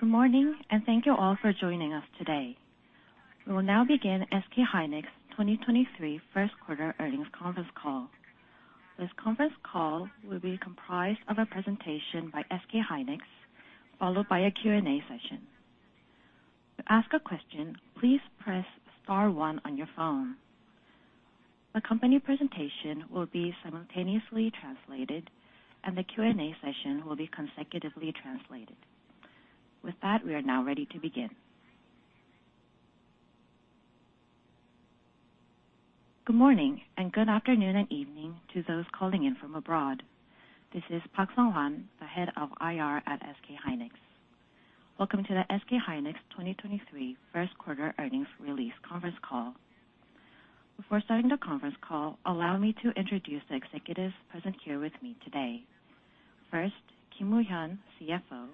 Good morning, thank you all for joining us today. We will now begin SK hynix 2023 First Quarter Earnings Conference call. This conference call will be comprised of a presentation by SK hynix, followed by a Q&A session. To ask a question, please press star one on your phone. The company presentation will be simultaneously translated, and the Q&A session will be consecutively translated. With that, we are now ready to begin. Good morning, good afternoon and evening to those calling in from abroad. This is Park Seong Hwan, the Head of IR at SK hynix. Welcome to the SK hynix 2023 First Quarter Earnings Release Conference Call. Before starting the conference call, allow me to introduce the executives present here with me today. First, Kim Woohyun, CFO,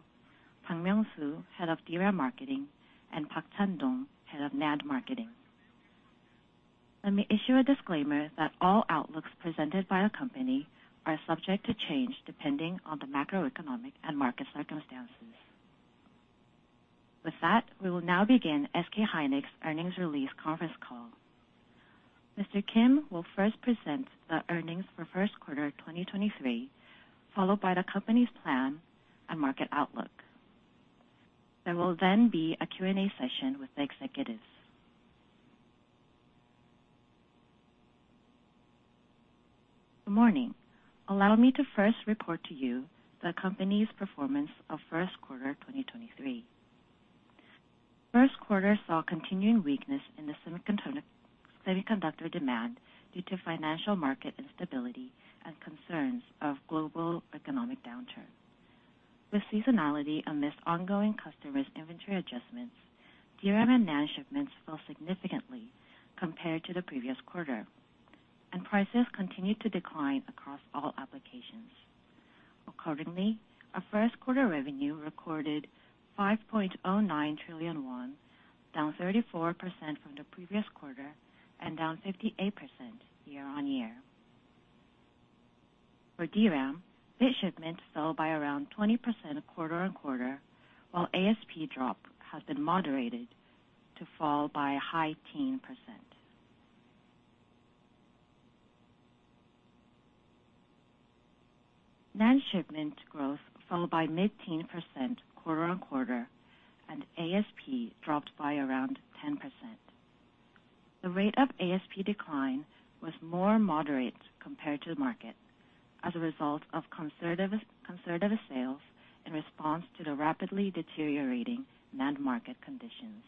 Park Myoungsoo, Head of DRAM Marketing, and Park Chandong, Head of NAND Marketing. Let me issue a disclaimer that all outlooks presented by our company are subject to change depending on the macroeconomic and market circumstances. With that, we will now begin SK hynix earnings release conference call. Mr. Kim will first present the earnings for first quarter 2023, followed by the company's plan and market outlook. There will be a Q&A session with the executives. Good morning. Allow me to first report to you the company's performance of first quarter 2023. First quarter saw continuing weakness in semiconductor demand due to financial market instability and concerns of global economic downturn. With seasonality amidst ongoing customers inventory adjustments, DRAM and NAND shipments fell significantly compared to the previous quarter, and prices continued to decline across all applications. Accordingly, our first quarter revenue recorded 5.09 trillion won, down 34% from the previous quarter and down 58% year-on-year. For DRAM, bit shipments fell by around 20% quarter-on-quarter, while ASP drop has been moderated to fall by a high teen %. NAND shipment growth fell by mid-teen % quarter-on-quarter, ASP dropped by around 10%. The rate of ASP decline was more moderate compared to the market as a result of conservative sales in response to the rapidly deteriorating NAND market conditions.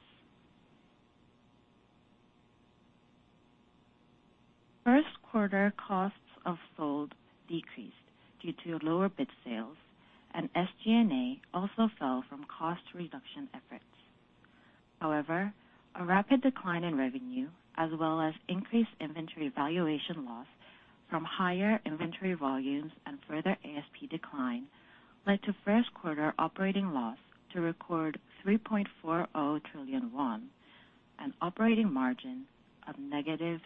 First quarter costs of sold decreased due to lower bit sales, SG&A also fell from cost reduction efforts. A rapid decline in revenue as well as increased inventory valuation loss from higher inventory volumes and further ASP decline led to first quarter operating loss to record 3.40 trillion won, an operating margin of -67%.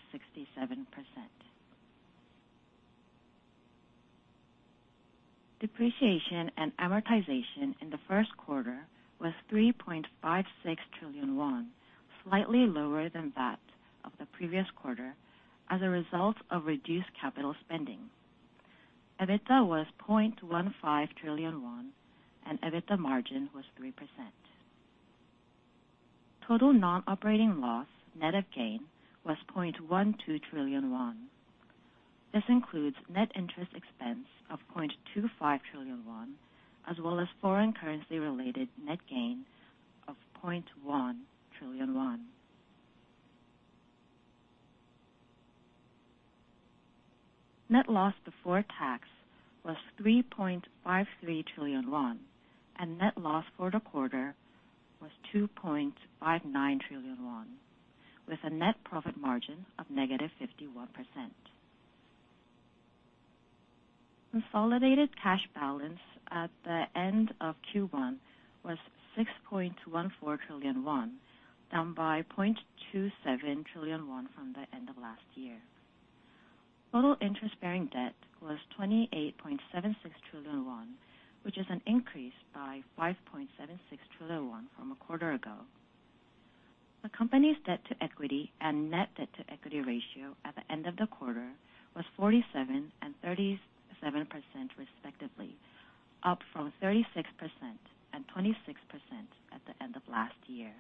Depreciation and amortization in the first quarter was 3.56 trillion won, slightly lower than that of the previous quarter as a result of reduced capital spending. EBITDA was 0.15 trillion won, and EBITDA margin was 3%. Total non-operating loss net of gain was 0.12 trillion won. This includes net interest expense of 0.25 trillion won, as well as foreign currency related net gain of 0.1 trillion won. Net loss before tax was 3.53 trillion won, net loss for the quarter was 2.59 trillion won, with a net profit margin of negative 51%. Consolidated cash balance at the end of Q1 was 6.14 trillion won, down by 0.27 trillion won from the end of last year. Total interest-bearing debt was 28.76 trillion won, which is an increase by 5.76 trillion won from a quarter ago. The company's debt-to-equity and net debt-to-equity ratio at the end of the quarter was 47% and 37% respectively, up from 36% and 26% at the end of last year.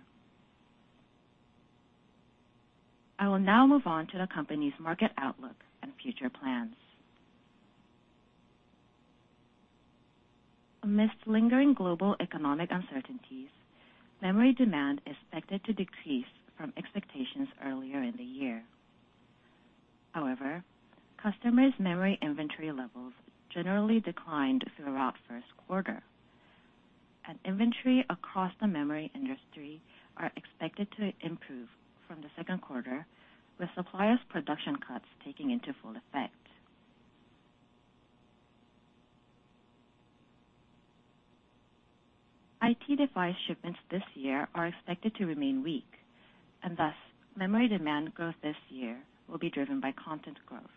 I will now move on to the company's market outlook and future plans. Amidst lingering global economic uncertainties, memory demand is expected to decrease from expectations earlier in the year. Customers' memory inventory levels generally declined throughout first quarter. Inventory across the memory industry are expected to improve from the second quarter, with suppliers' production cuts taking into full effect. IT device shipments this year are expected to remain weak. Memory demand growth this year will be driven by content growth.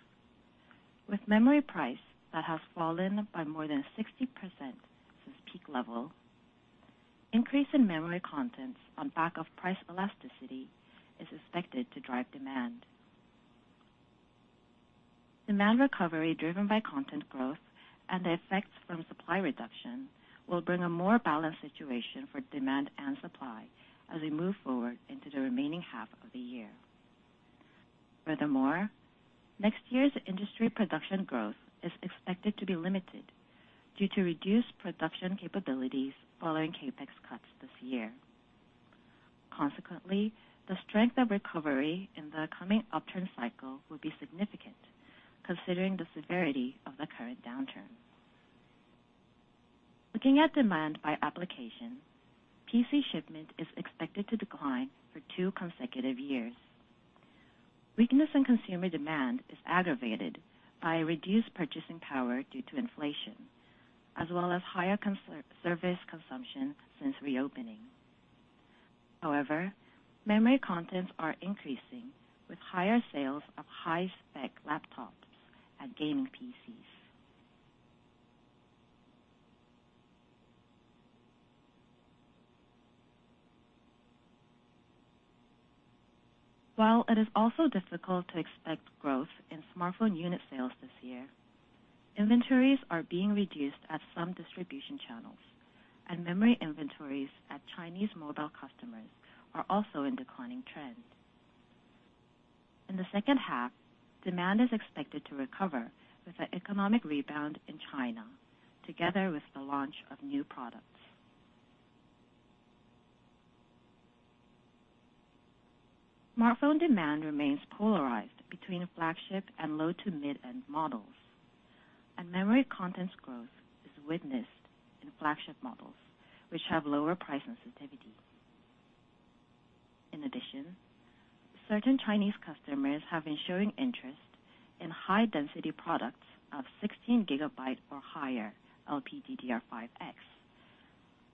With memory price that has fallen by more than 60% since peak level, increase in memory contents on back of price elasticity is expected to drive demand. Demand recovery driven by content growth and the effects from supply reduction will bring a more balanced situation for demand and supply as we move forward into the remaining half of the year. Next year's industry production growth is expected to be limited due to reduced production capabilities following CapEx cuts this year. Consequently, the strength of recovery in the coming upturn cycle will be significant considering the severity of the current downturn. Looking at demand by application, PC shipment is expected to decline for two consecutive years. Weakness in consumer demand is aggravated by reduced purchasing power due to inflation, as well as higher service consumption since reopening. However, memory contents are increasing with higher sales of high-spec laptops and gaming PCs. While it is also difficult to expect growth in smartphone unit sales this year, inventories are being reduced at some distribution channels, and memory inventories at Chinese mobile customers are also in declining trend. In the second half, demand is expected to recover with the economic rebound in China, together with the launch of new products. Smartphone demand remains polarized between flagship and low-to-mid-end models. Memory contents growth is witnessed in flagship models, which have lower price sensitivity. In addition, certain Chinese customers have been showing interest in high density products of 16 GB or higher LPDDR5X,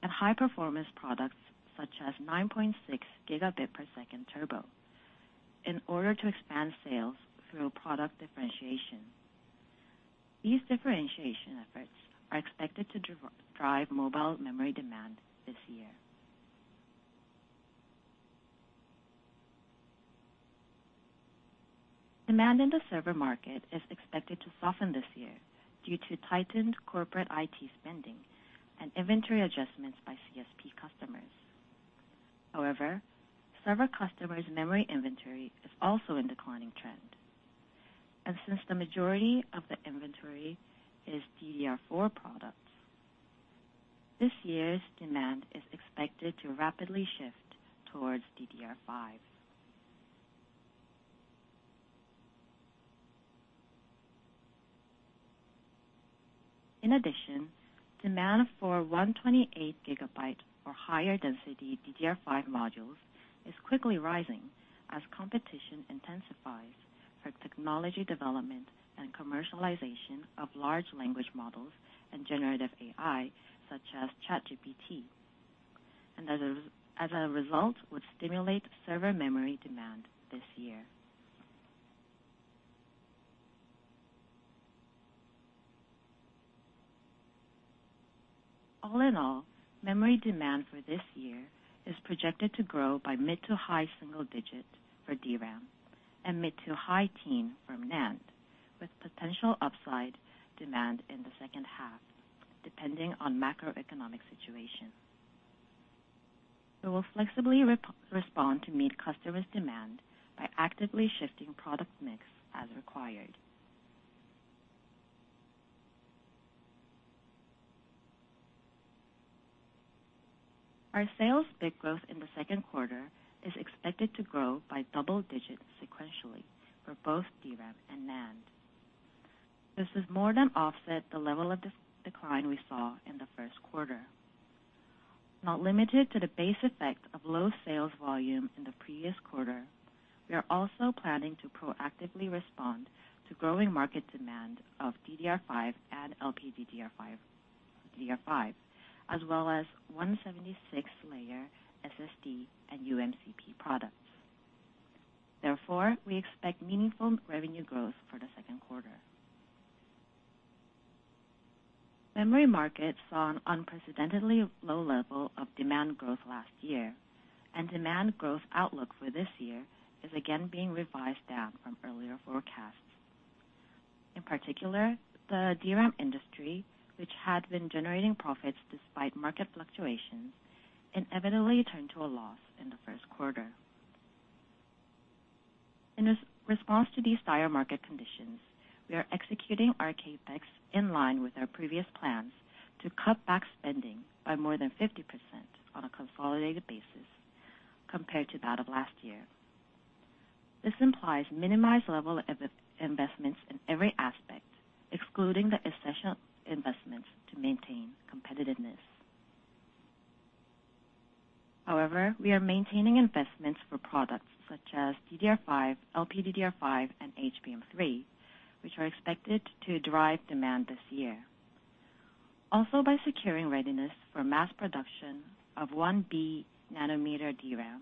and high-performance products such as 9.6 Gbps turbo in order to expand sales through product differentiation. These differentiation efforts are expected to drive mobile memory demand this year. Demand in the server market is expected to soften this year due to tightened corporate IT spending and inventory adjustments by CSP customers. Server customers' memory inventory is also in declining trend. Since the majority of the inventory is DDR4 products, this year's demand is expected to rapidly shift towards DDR5. In addition, demand for 128 GB or higher density DDR5 modules is quickly rising as competition intensifies for technology development and commercialization of large language models and generative AI such as ChatGPT. As a result, would stimulate server memory demand this year. All in all, memory demand for this year is projected to grow by mid to high single digits for DRAM and mid to high teen from NAND, with potential upside demand in the second half, depending on macroeconomic situation. We will flexibly respond to meet customers' demand by actively shifting product mix as required. Our sales bit growth in the second quarter is expected to grow by double digits sequentially for both DRAM and NAND. This has more than offset the level of decline we saw in the first quarter. Not limited to the base effect of low sales volume in the previous quarter, we are also planning to proactively respond to growing market demand of DDR5 and LPDDR5, as well as 176-layer SSD and uMCP products. We expect meaningful revenue growth for the second quarter. Memory market saw an unprecedentedly low level of demand growth last year. Demand growth outlook for this year is again being revised down from earlier forecasts. In particular, the DRAM industry, which had been generating profits despite market fluctuations, inevitably turned to a loss in the first quarter. In response to these dire market conditions, we are executing our CapEx in line with our previous plans to cut back spending by more than 50% on a consolidated basis compared to that of last year. This implies minimized level of investments in every aspect, excluding the essential investments to maintain competitiveness. However, we are maintaining investments for products such as DDR5, LPDDR5, and HBM3, which are expected to drive demand this year. By securing readiness for mass production of 1bnm DRAM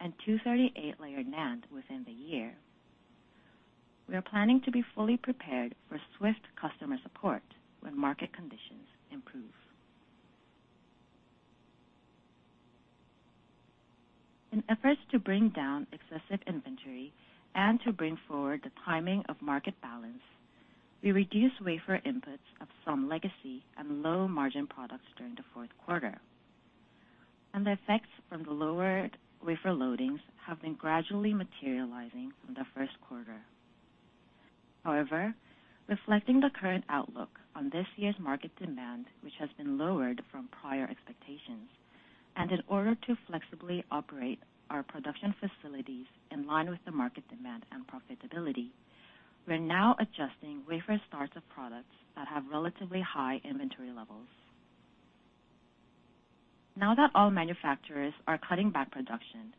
and 238-layer NAND within the year, we are planning to be fully prepared for swift customer support when market conditions improve. In efforts to bring down excessive inventory and to bring forward the timing of market balance, we reduced wafer inputs of some legacy and low-margin products during the fourth quarter, and the effects from the lowered wafer loadings have been gradually materializing in the first quarter. Reflecting the current outlook on this year's market demand, which has been lowered from prior expectations, and in order to flexibly operate our production facilities in line with the market demand and profitability, we're now adjusting wafer starts of products that have relatively high inventory levels. All manufacturers are cutting back production,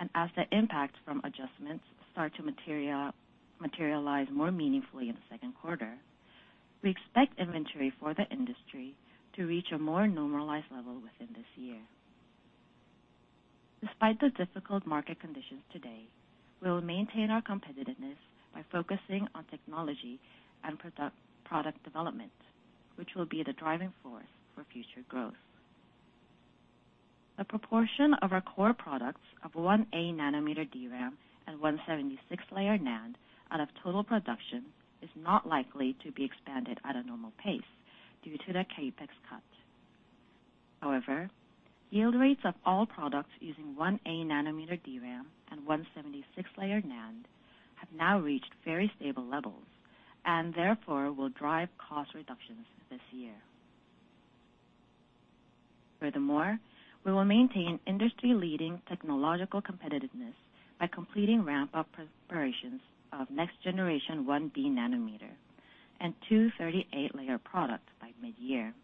and as the impact from adjustments start to materialize more meaningfully in the second quarter, we expect inventory for the industry to reach a more normalized level within this year. Despite the difficult market conditions today, we'll maintain our competitiveness by focusing on technology and product development, which will be the driving force for future growth. The proportion of our core products of 1anm DRAM and 176-layer NAND out of total production is not likely to be expanded at a normal pace due to the CapEx cut. Yield rates of all products using 1anm DRAM and 176-layer NAND have now reached very stable levels and therefore will drive cost reductions this year. We will maintain industry-leading technological competitiveness by completing ramp-up preparations of next generation 1bnm and 238-layer product by mid-year.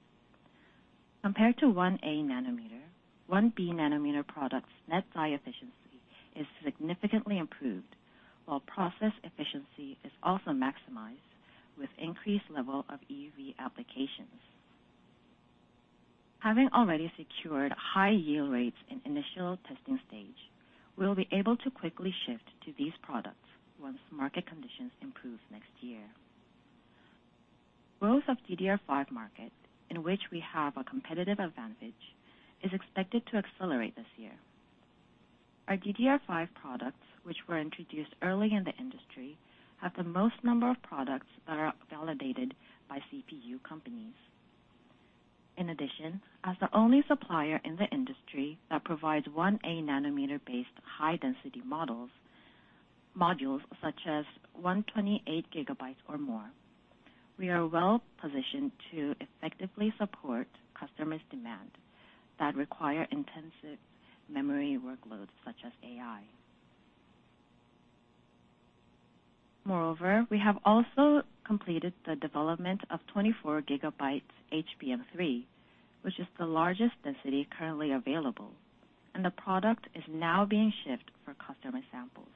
Compared to 1anm, 1bnm product's net die efficiency is significantly improved while process efficiency is also maximized with increased level of EUV applications. Having already secured high yield rates in initial testing stage, we'll be able to quickly shift to these products once market conditions improve next year. Growth of DDR5 market, in which we have a competitive advantage, is expected to accelerate this year. Our DDR5 products, which were introduced early in the industry, have the most number of products that are validated by CPU companies. As the only supplier in the industry that provides 1anm-based high density modules such as 128 GB or more, we are well-positioned to effectively support customers' demand that require intensive memory workloads, such as AI. We have also completed the development of 24 GB HBM3, which is the largest density currently available, and the product is now being shipped for customer samples.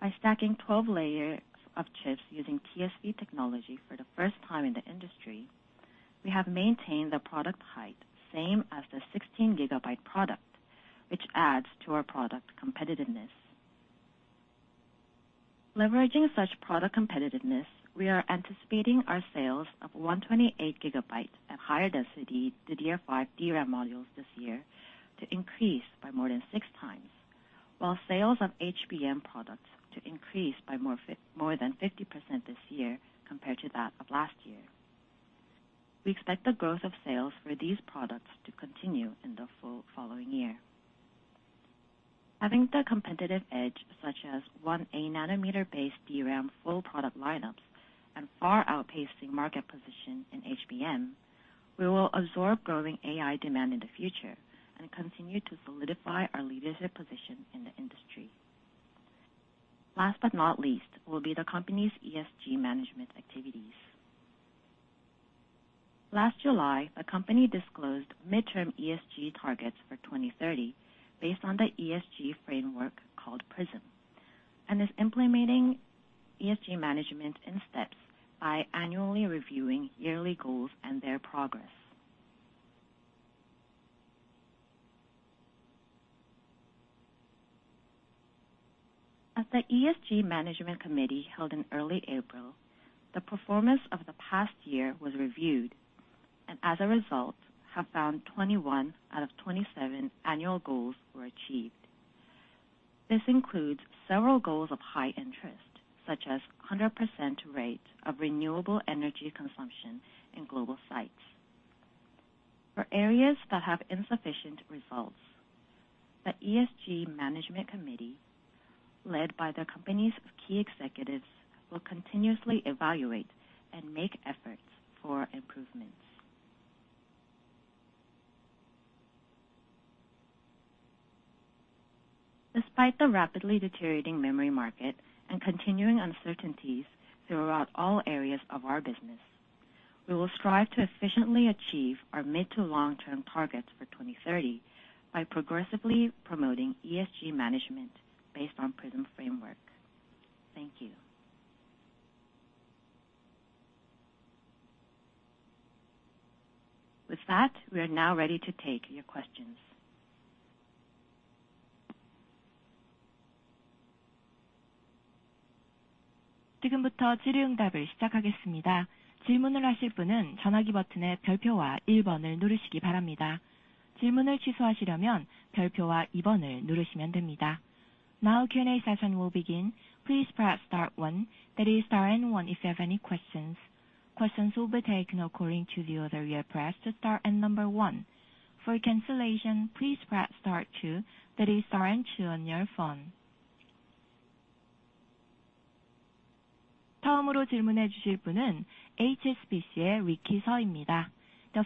By stacking 12 layers of chips using TSV technology for the first time in the industry, we have maintained the product height same as the 16 GB product, which adds to our product competitiveness. Leveraging such product competitiveness, we are anticipating our sales of 128 GB at higher density DDR5 DRAM modules this year to increase by more than 6x. While sales of HBM products to increase by more than 50% this year compared to that of last year. We expect the growth of sales for these products to continue in the following year. Having the competitive edge, such as 1anm-based DRAM full product lineups and far outpacing market position in HBM, we will absorb growing AI demand in the future and continue to solidify our leadership position in the industry. Last but not least will be the company's ESG management activities. Last July, the company disclosed midterm ESG targets for 2030 based on the ESG framework called PRISM, and is implementing ESG management in steps by annually reviewing yearly goals and their progress. At the ESG management committee held in early April, the performance of the past year was reviewed, and as a result, have found 21 out of 27 annual goals were achieved. This includes several goals of high interest, such as 100% rate of renewable energy consumption in global sites. For areas that have insufficient results, the ESG management committee, led by the company's key executives, will continuously evaluate and make efforts for improvements. Despite the rapidly deteriorating memory market and continuing uncertainties throughout all areas of our business, we will strive to efficiently achieve our mid to long term targets for 2030 by progressively promoting ESG management based on PRISM framework. Thank you. With that, we are now ready to take your questions. Now Q&A session will begin. Please press star one, that is star and one if you have any questions. Questions will be taken according to the order you have pressed star and number one. For cancellation, please press star two, that is star and two on your phone. The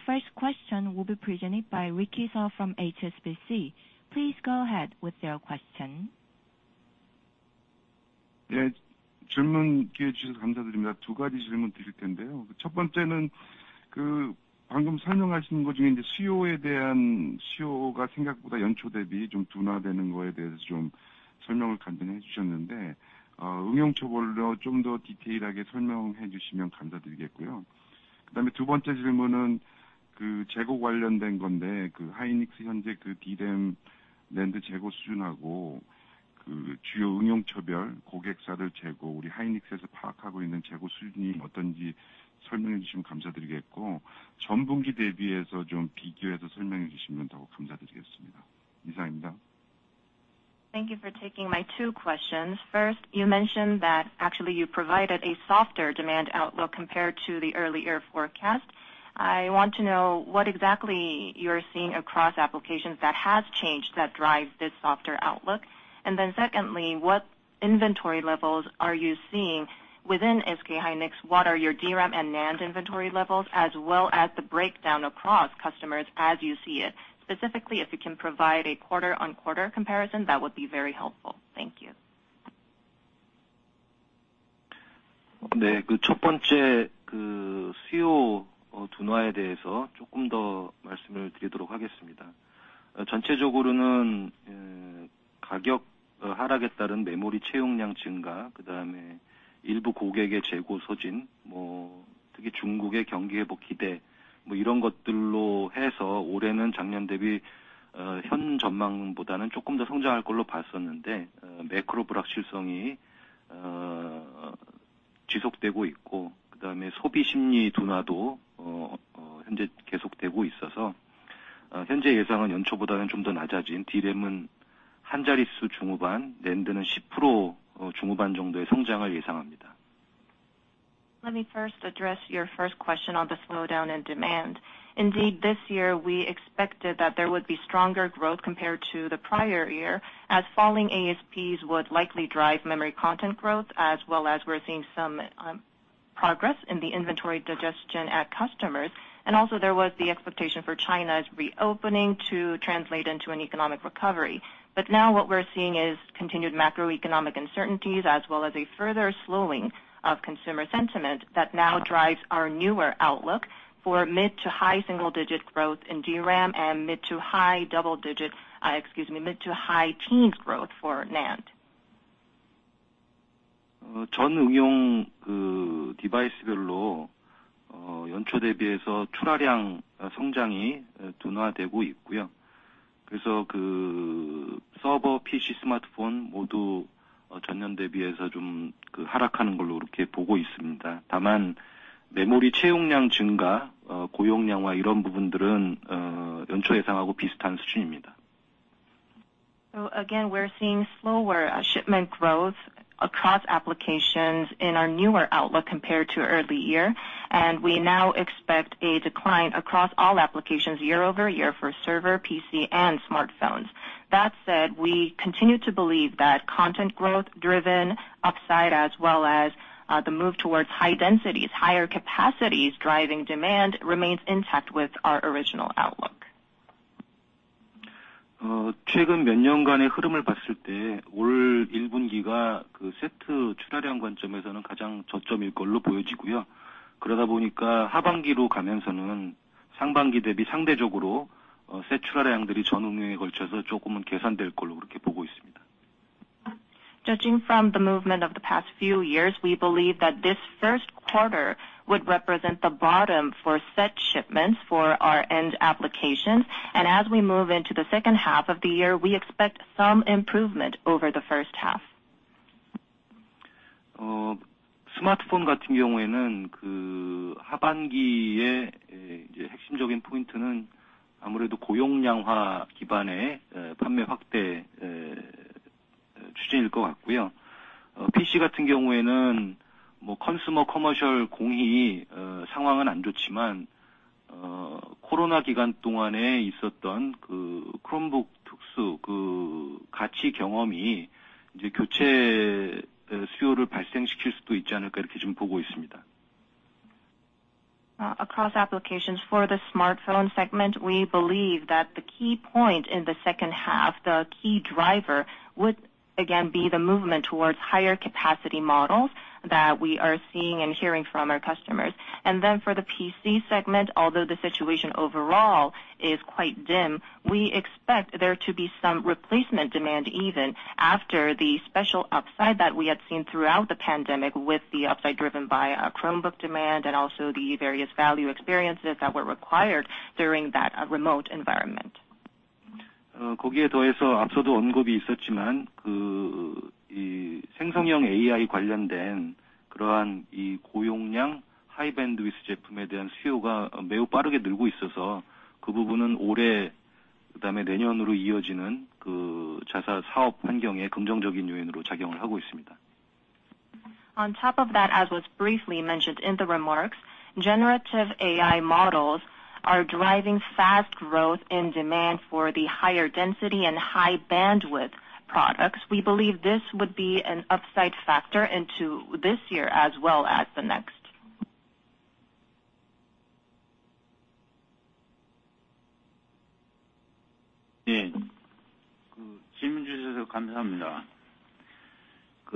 first question will be presented by Ricky Seo from HSBC. Please go ahead with your question. Thank you for taking my two questions. First, you mentioned that actually you provided a softer demand outlook compared to the early year forecast. I want to know what exactly you're seeing across applications that has changed that drives this softer outlook. Secondly, what inventory levels are you seeing within SK hynix? What are your DRAM and NAND inventory levels as well as the breakdown across customers as you see it? Specifically, if you can provide a quarter-on-quarter comparison, that would be very helpful. Thank you. Let me first address your first question on the slowdown in demand. Indeed, this year we expected that there would be stronger growth compared to the prior year, as falling ASPs would likely drive memory content growth as well as we're seeing some progress in the inventory digestion at customers. Also there was the expectation for China's reopening to translate into an economic recovery. Now what we're seeing is continued macroeconomic uncertainties as well as a further slowing of consumer sentiment that now drives our newer outlook for mid to high single-digit growth in DRAM and mid to high double-digits, excuse me, mid to high teen growth for NAND. Again, we're seeing slower shipment growth across applications in our newer outlook compared to early year, and we now expect a decline across all applications year-over-year for server, PC, and smartphones. That said, we continue to believe that content growth driven upside as well as the move towards high densities, higher capacities driving demand remains intact with our original outlook. Judging from the movement of the past few years, we believe that this first quarter would represent the bottom for set shipments for our end applications. As we move into the second half of the year, we expect some improvement over the first half. Across applications for the smartphone segment, we believe that the key point in the second half, the key driver would again be the movement towards higher capacity models that we are seeing and hearing from our customers. For the PC segment, although the situation overall is quite dim, we expect there to be some replacement demand even after the special upside that we had seen throughout the pandemic with the upside driven by Chromebook demand and also the various value experiences that were required during that remote environment. On top of that, as was briefly mentioned in the remarks, generative AI models are driving fast growth in demand for the higher density and high bandwidth products. We believe this would be an upside factor into this year as well as the next. Thank you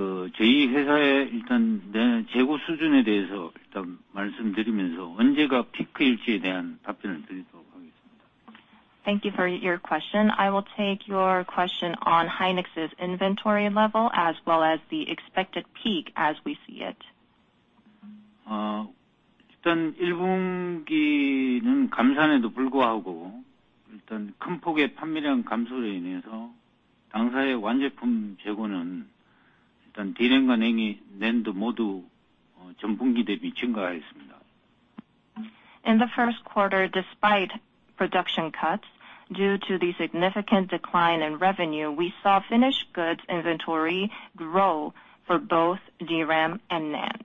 for your question. I will take your question on Hynix's inventory level as well as the expected peak as we see it. In the first quarter, despite production cuts due to the significant decline in revenue, we saw finished goods inventory grow for both DRAM and NAND.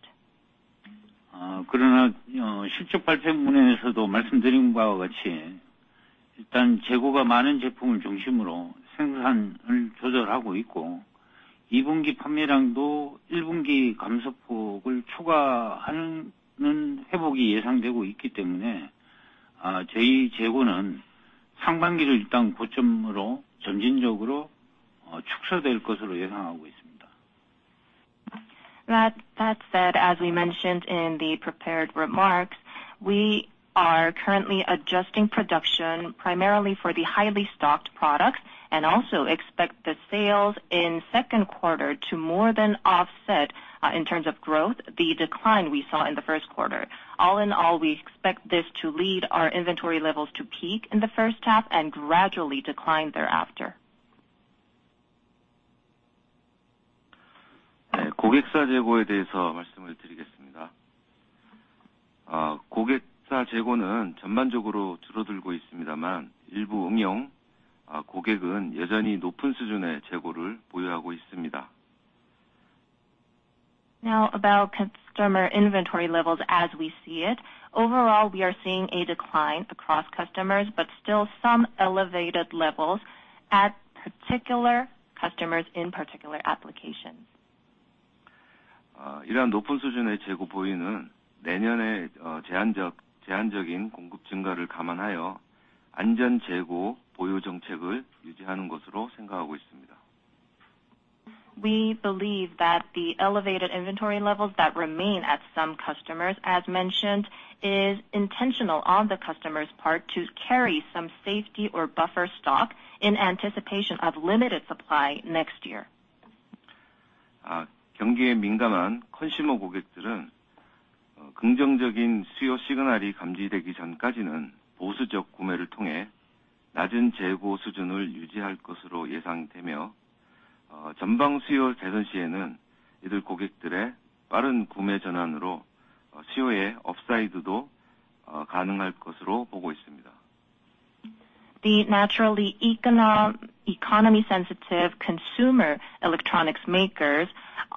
That said, as we mentioned in the prepared remarks, we are currently adjusting production primarily for the highly stocked products and also expect the sales in second quarter to more than offset, in terms of growth, the decline we saw in the first quarter. All in all, we expect this to lead our inventory levels to peak in the first half and gradually decline thereafter. About customer inventory levels as we see it, overall, we are seeing a decline across customers, but still some elevated levels at particular customers in particular applications. We believe that the elevated inventory levels that remain at some customers, as mentioned, is intentional on the customer's part to carry some safety or buffer stock in anticipation of limited supply next year. The naturally economy-sensitive consumer electronics makers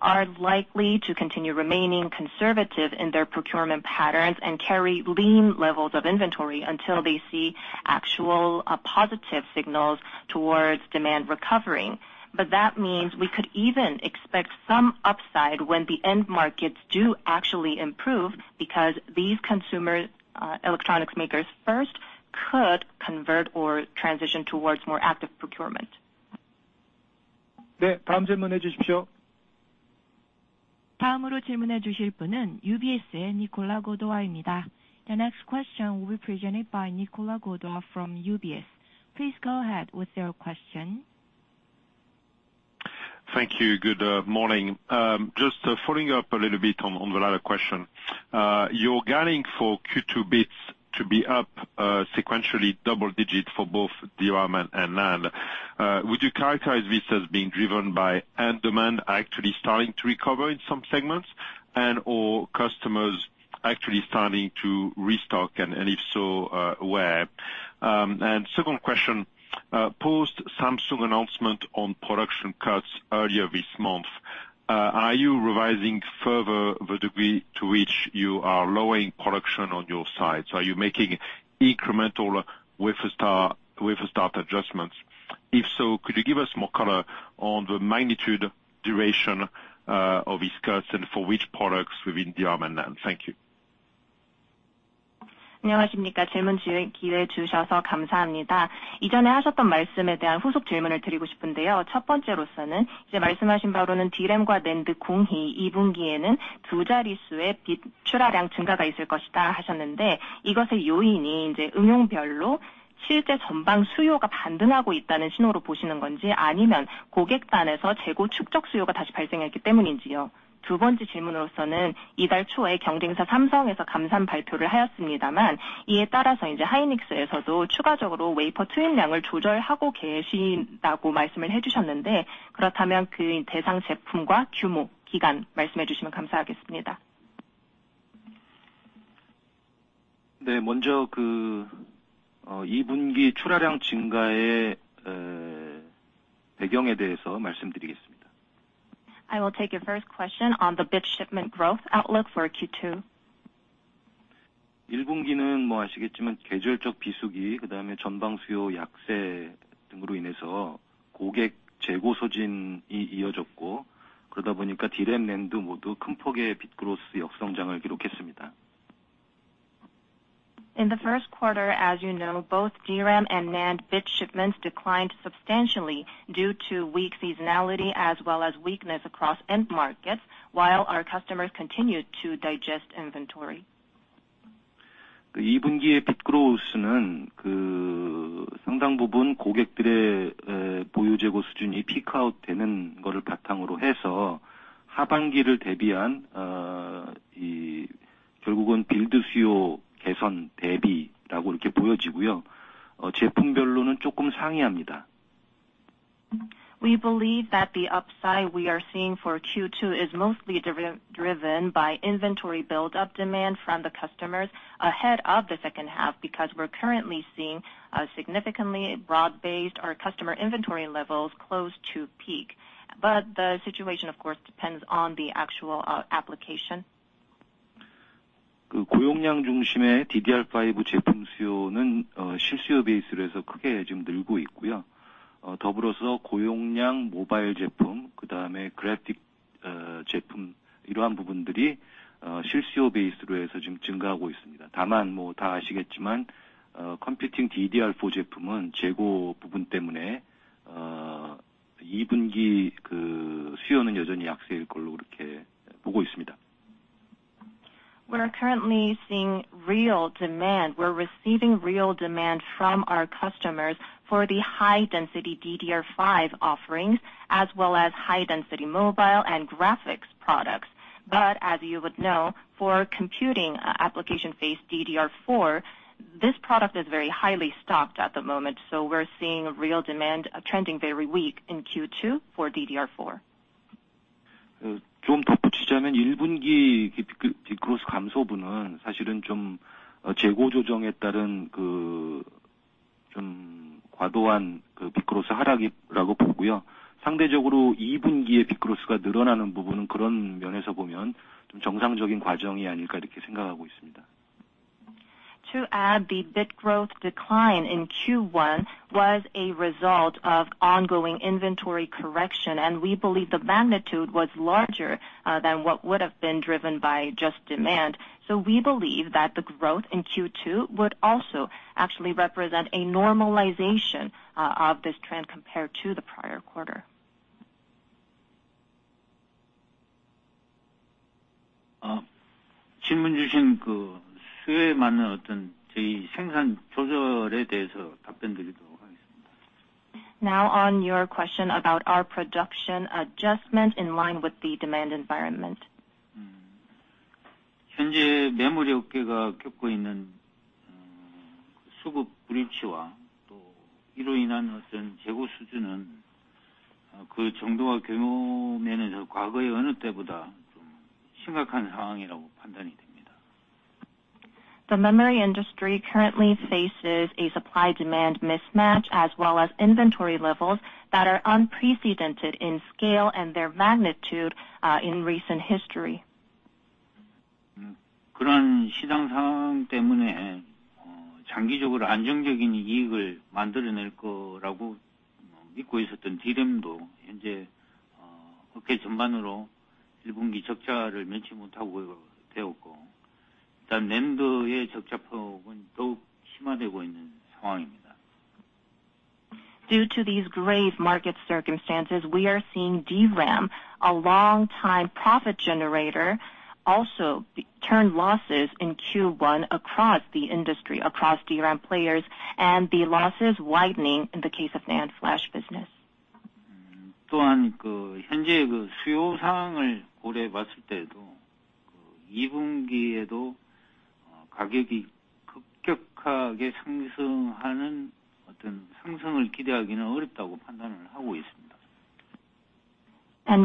are likely to continue remaining conservative in their procurement patterns and carry lean levels of inventory until they see actual positive signals towards demand recovering. That means we could even expect some upside when the end markets do actually improve because these consumer electronics makers first could convert or transition towards more active procurement. The next question will be presented by Nicolas Gaudois from UBS. Please go ahead with your question. Thank you. Good morning. Just following up a little bit on the latter question. You're guiding for Q2 bits to be up sequentially double digits for both DRAM and NAND. Would you characterize this as being driven by end demand actually starting to recover in some segments and/or customers actually starting to restock? If so, where? Second question, post Samsung announcement on production cuts earlier this month, are you revising further the degree to which you are lowering production on your side? Are you making incremental wafer start adjustments? If so, could you give us more color on the magnitude duration of these cuts and for which products within DRAM and NAND? Thank you. 안녕하십니까? 질문 기회 주셔서 감사합니다. 이전에 하셨던 말씀에 대한 후속 질문을 드리고 싶은데요. 첫 번째로서는 이제 말씀하신 바로는 DRAM과 NAND 공히 2Q에는 two-digit의 bit 출하량 증가가 있을 것이다 하셨는데 이것의 요인이 이제 응용별로 실제 전방 수요가 반등하고 있다는 신호로 보시는 건지, 아니면 고객단에서 재고 축적 수요가 다시 발생했기 때문인지요? 두 번째 질문으로서는 early this month에 경쟁사 Samsung에서 감산 발표를 하였습니다만 이에 따라서 이제 SK hynix에서도 추가적으로 wafer starts를 조절하고 계시다고 말씀을 해주셨는데 그렇다면 그 대상 제품과 규모, 기간 말씀해 주시면 감사하겠습니다. 네, 먼저 그, 2Q 출하량 증가의, 배경에 대해서 말씀드리겠습니다. I will take your first question on the bit shipment growth outlook for Q2. Q1, well, as you know, seasonal off-season, and then front-end demand weakness due to customer inventory depletion continued, and as a result, DRAM, NAND both significant bit growth negative growth recorded. In the first quarter, as you know, both DRAM and NAND bit shipments declined substantially due to weak seasonality as well as weakness across end markets while our customers continued to digest inventory. Q2의 bit growth는 그 상당 부분 고객들의 보유 재고 수준이 peak out 되는 거를 바탕으로 해서 하반기를 대비한 이 결국은 build 수요 개선 대비라고 이렇게 보여지고요. 제품별로는 조금 상이합니다. We believe that the upside we are seeing for Q2 is mostly driven by inventory build-up demand from the customers ahead of the second half because we're currently seeing significantly broad-based our customer inventory levels close to peak. The situation of course depends on the actual application. 그 고용량 중심의 DDR5 제품 수요는, 실 수요 베이스로 해서 크게 지금 늘고 있고요. 더불어서 고용량 모바일 제품, 그다음에 그래픽, 제품 이러한 부분들이, 실 수요 베이스로 해서 지금 증가하고 있습니다. 다만 뭐다 아시겠지만, computing DDR4 제품은 재고 부분 때문에, 2Q 그 수요는 여전히 약세일 걸로 그렇게 보고 있습니다. We are currently seeing real demand. We're receiving real demand from our customers for the high density DDR5 offerings as well as high density mobile and graphics products. As you would know, for computing application-based DDR4, this product is very highly stocked at the moment. We're seeing real demand trending very weak in Q2 for DDR4. 좀 덧붙이자면 Q1 growth 감소분은 사실은 좀 재고 조정에 따른 그좀 과도한 그 bit growth 하락이라고 보고요. 상대적으로 Q2에 bit growth가 늘어나는 부분은 그런 면에서 보면 좀 정상적인 과정이 아닐까 이렇게 생각하고 있습니다. The bit growth decline in Q1 was a result of ongoing inventory correction, and we believe the magnitude was larger than what would have been driven by just demand. We believe that the growth in Q2 would also actually represent a normalization of this trend compared to the prior quarter. 질문 주신 그 수요에 맞는 어떤 저희 생산 조절에 대해서 답변드리도록 하겠습니다. Now, on your question about our production adjustment in line with the demand environment. 현재 메모리 업계가 겪고 있는, 수급 불일치와 또 이로 인한 어떤 재고 수준은 그 정도와 규모 면에서 과거의 어느 때보다 좀 심각한 상황이라고 판단이 됩니다. The memory industry currently faces a supply demand mismatch as well as inventory levels that are unprecedented in scale and their magnitude in recent history. 그런 시장 상황 때문에, 장기적으로 안정적인 이익을 만들어낼 거라고, 믿고 있었던 DRAM도 현재, 업계 전반으로 Q1 적자를 면치 못하고 되었고, 일단 NAND의 적자 폭은 더욱 심화되고 있는 상황입니다. Due to these grave market circumstances, we are seeing DRAM, a long time profit generator, also turn losses in Q1 across the industry, across DRAM players and the losses widening in the case of NAND flash business. 또한 그 현재 그 수요 상황을 고려해 봤을 때에도 그 2분기에도 가격이 급격하게 상승하는 어떤 상승을 기대하기는 어렵다고 판단을 하고 있습니다.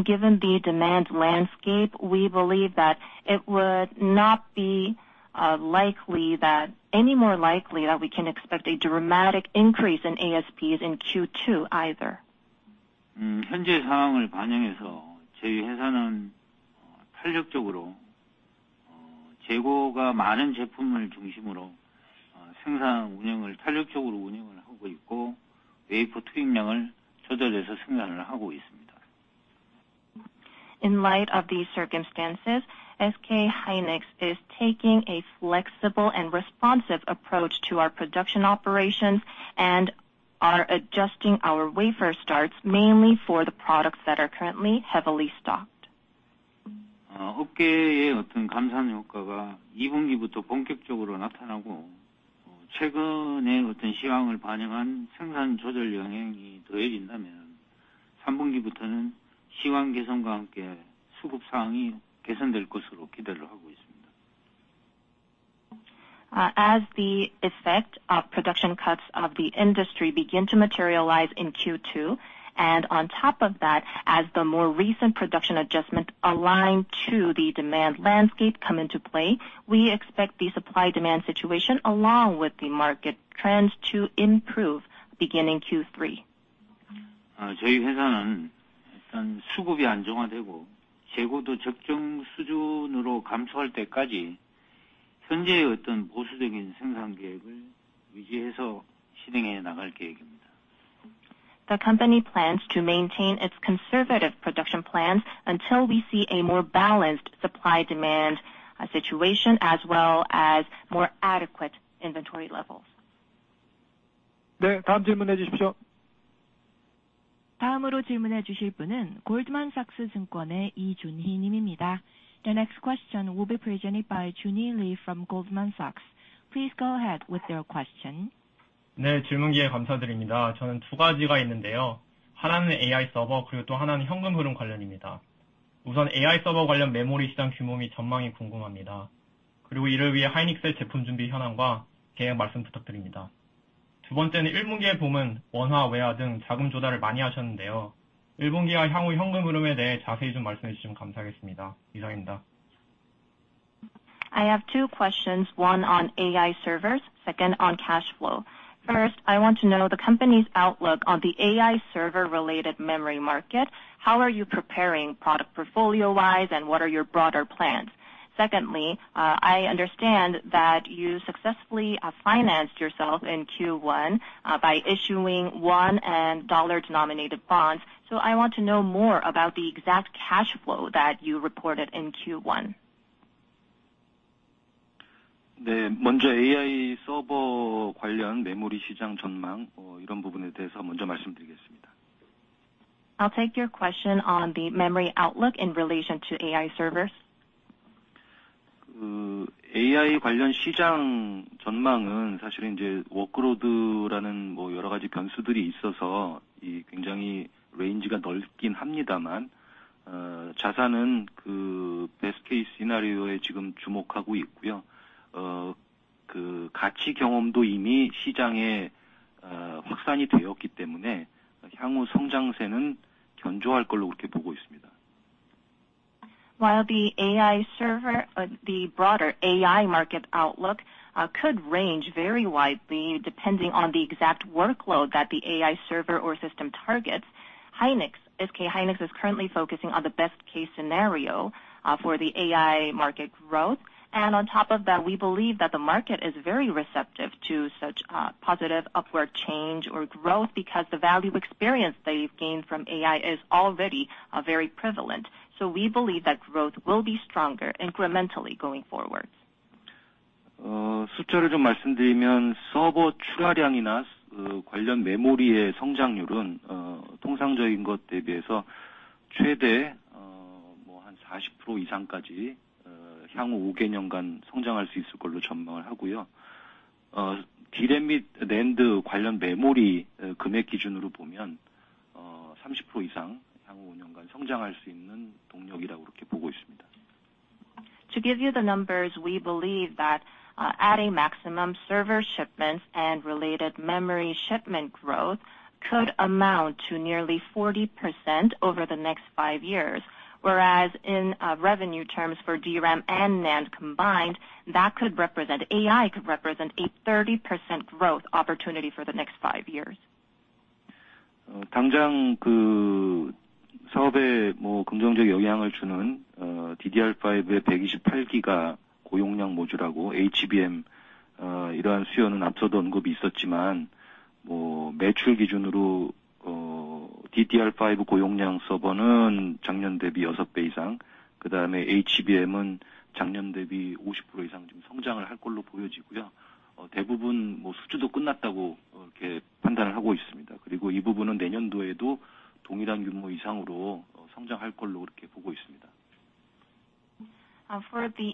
Given the demand landscape, we believe that it would not be any more likely that we can expect a dramatic increase in ASPs in Q2 either. 현재 상황을 반영해서 저희 회사는 탄력적으로 In light of these circumstances, SK hynix is taking a flexible and responsive approach to our production operations and are adjusting our wafer starts mainly for the products that are currently heavily stocked. As the effect of production cuts of the industry begin to materialize in Q2, and on top of that, as the more recent production adjustments aligned to the demand landscape come into play, we expect the supply demand situation along with the market trends to improve beginning Q3. The company plans to maintain its conservative production plans until we see a more balanced supply demand situation as well as more adequate inventory levels. The next question will be presented by Giuni Lee from Goldman Sachs. Please go ahead with your question. I have two questions, one on AI servers, second on cash flow. First, I want to know the company's outlook on the AI server related memory market. How are you preparing product portfolio-wise, and what are your broader plans? Secondly, I understand that you successfully financed yourself in Q1 by issuing one and dollar-denominated bonds. I want to know more about the exact cash flow that you reported in Q1. I'll take your question on the memory outlook in relation to AI servers. While the AI server, the broader AI market outlook, could range very widely depending on the exact workload that the AI server or system targets, SK hynix is currently focusing on the best case scenario for the AI market growth. On top of that, we believe that the market is very receptive to such positive upward change or growth because the value experience that you've gained from AI is already very prevalent. We believe that growth will be stronger incrementally going forward. To give you the numbers, we believe that, at a maximum server shipments and related memory shipment growth could amount to nearly 40% over the next five years, whereas in revenue terms for DRAM and NAND combined, that could represent, AI could represent a 30% growth opportunity for the next five years. For the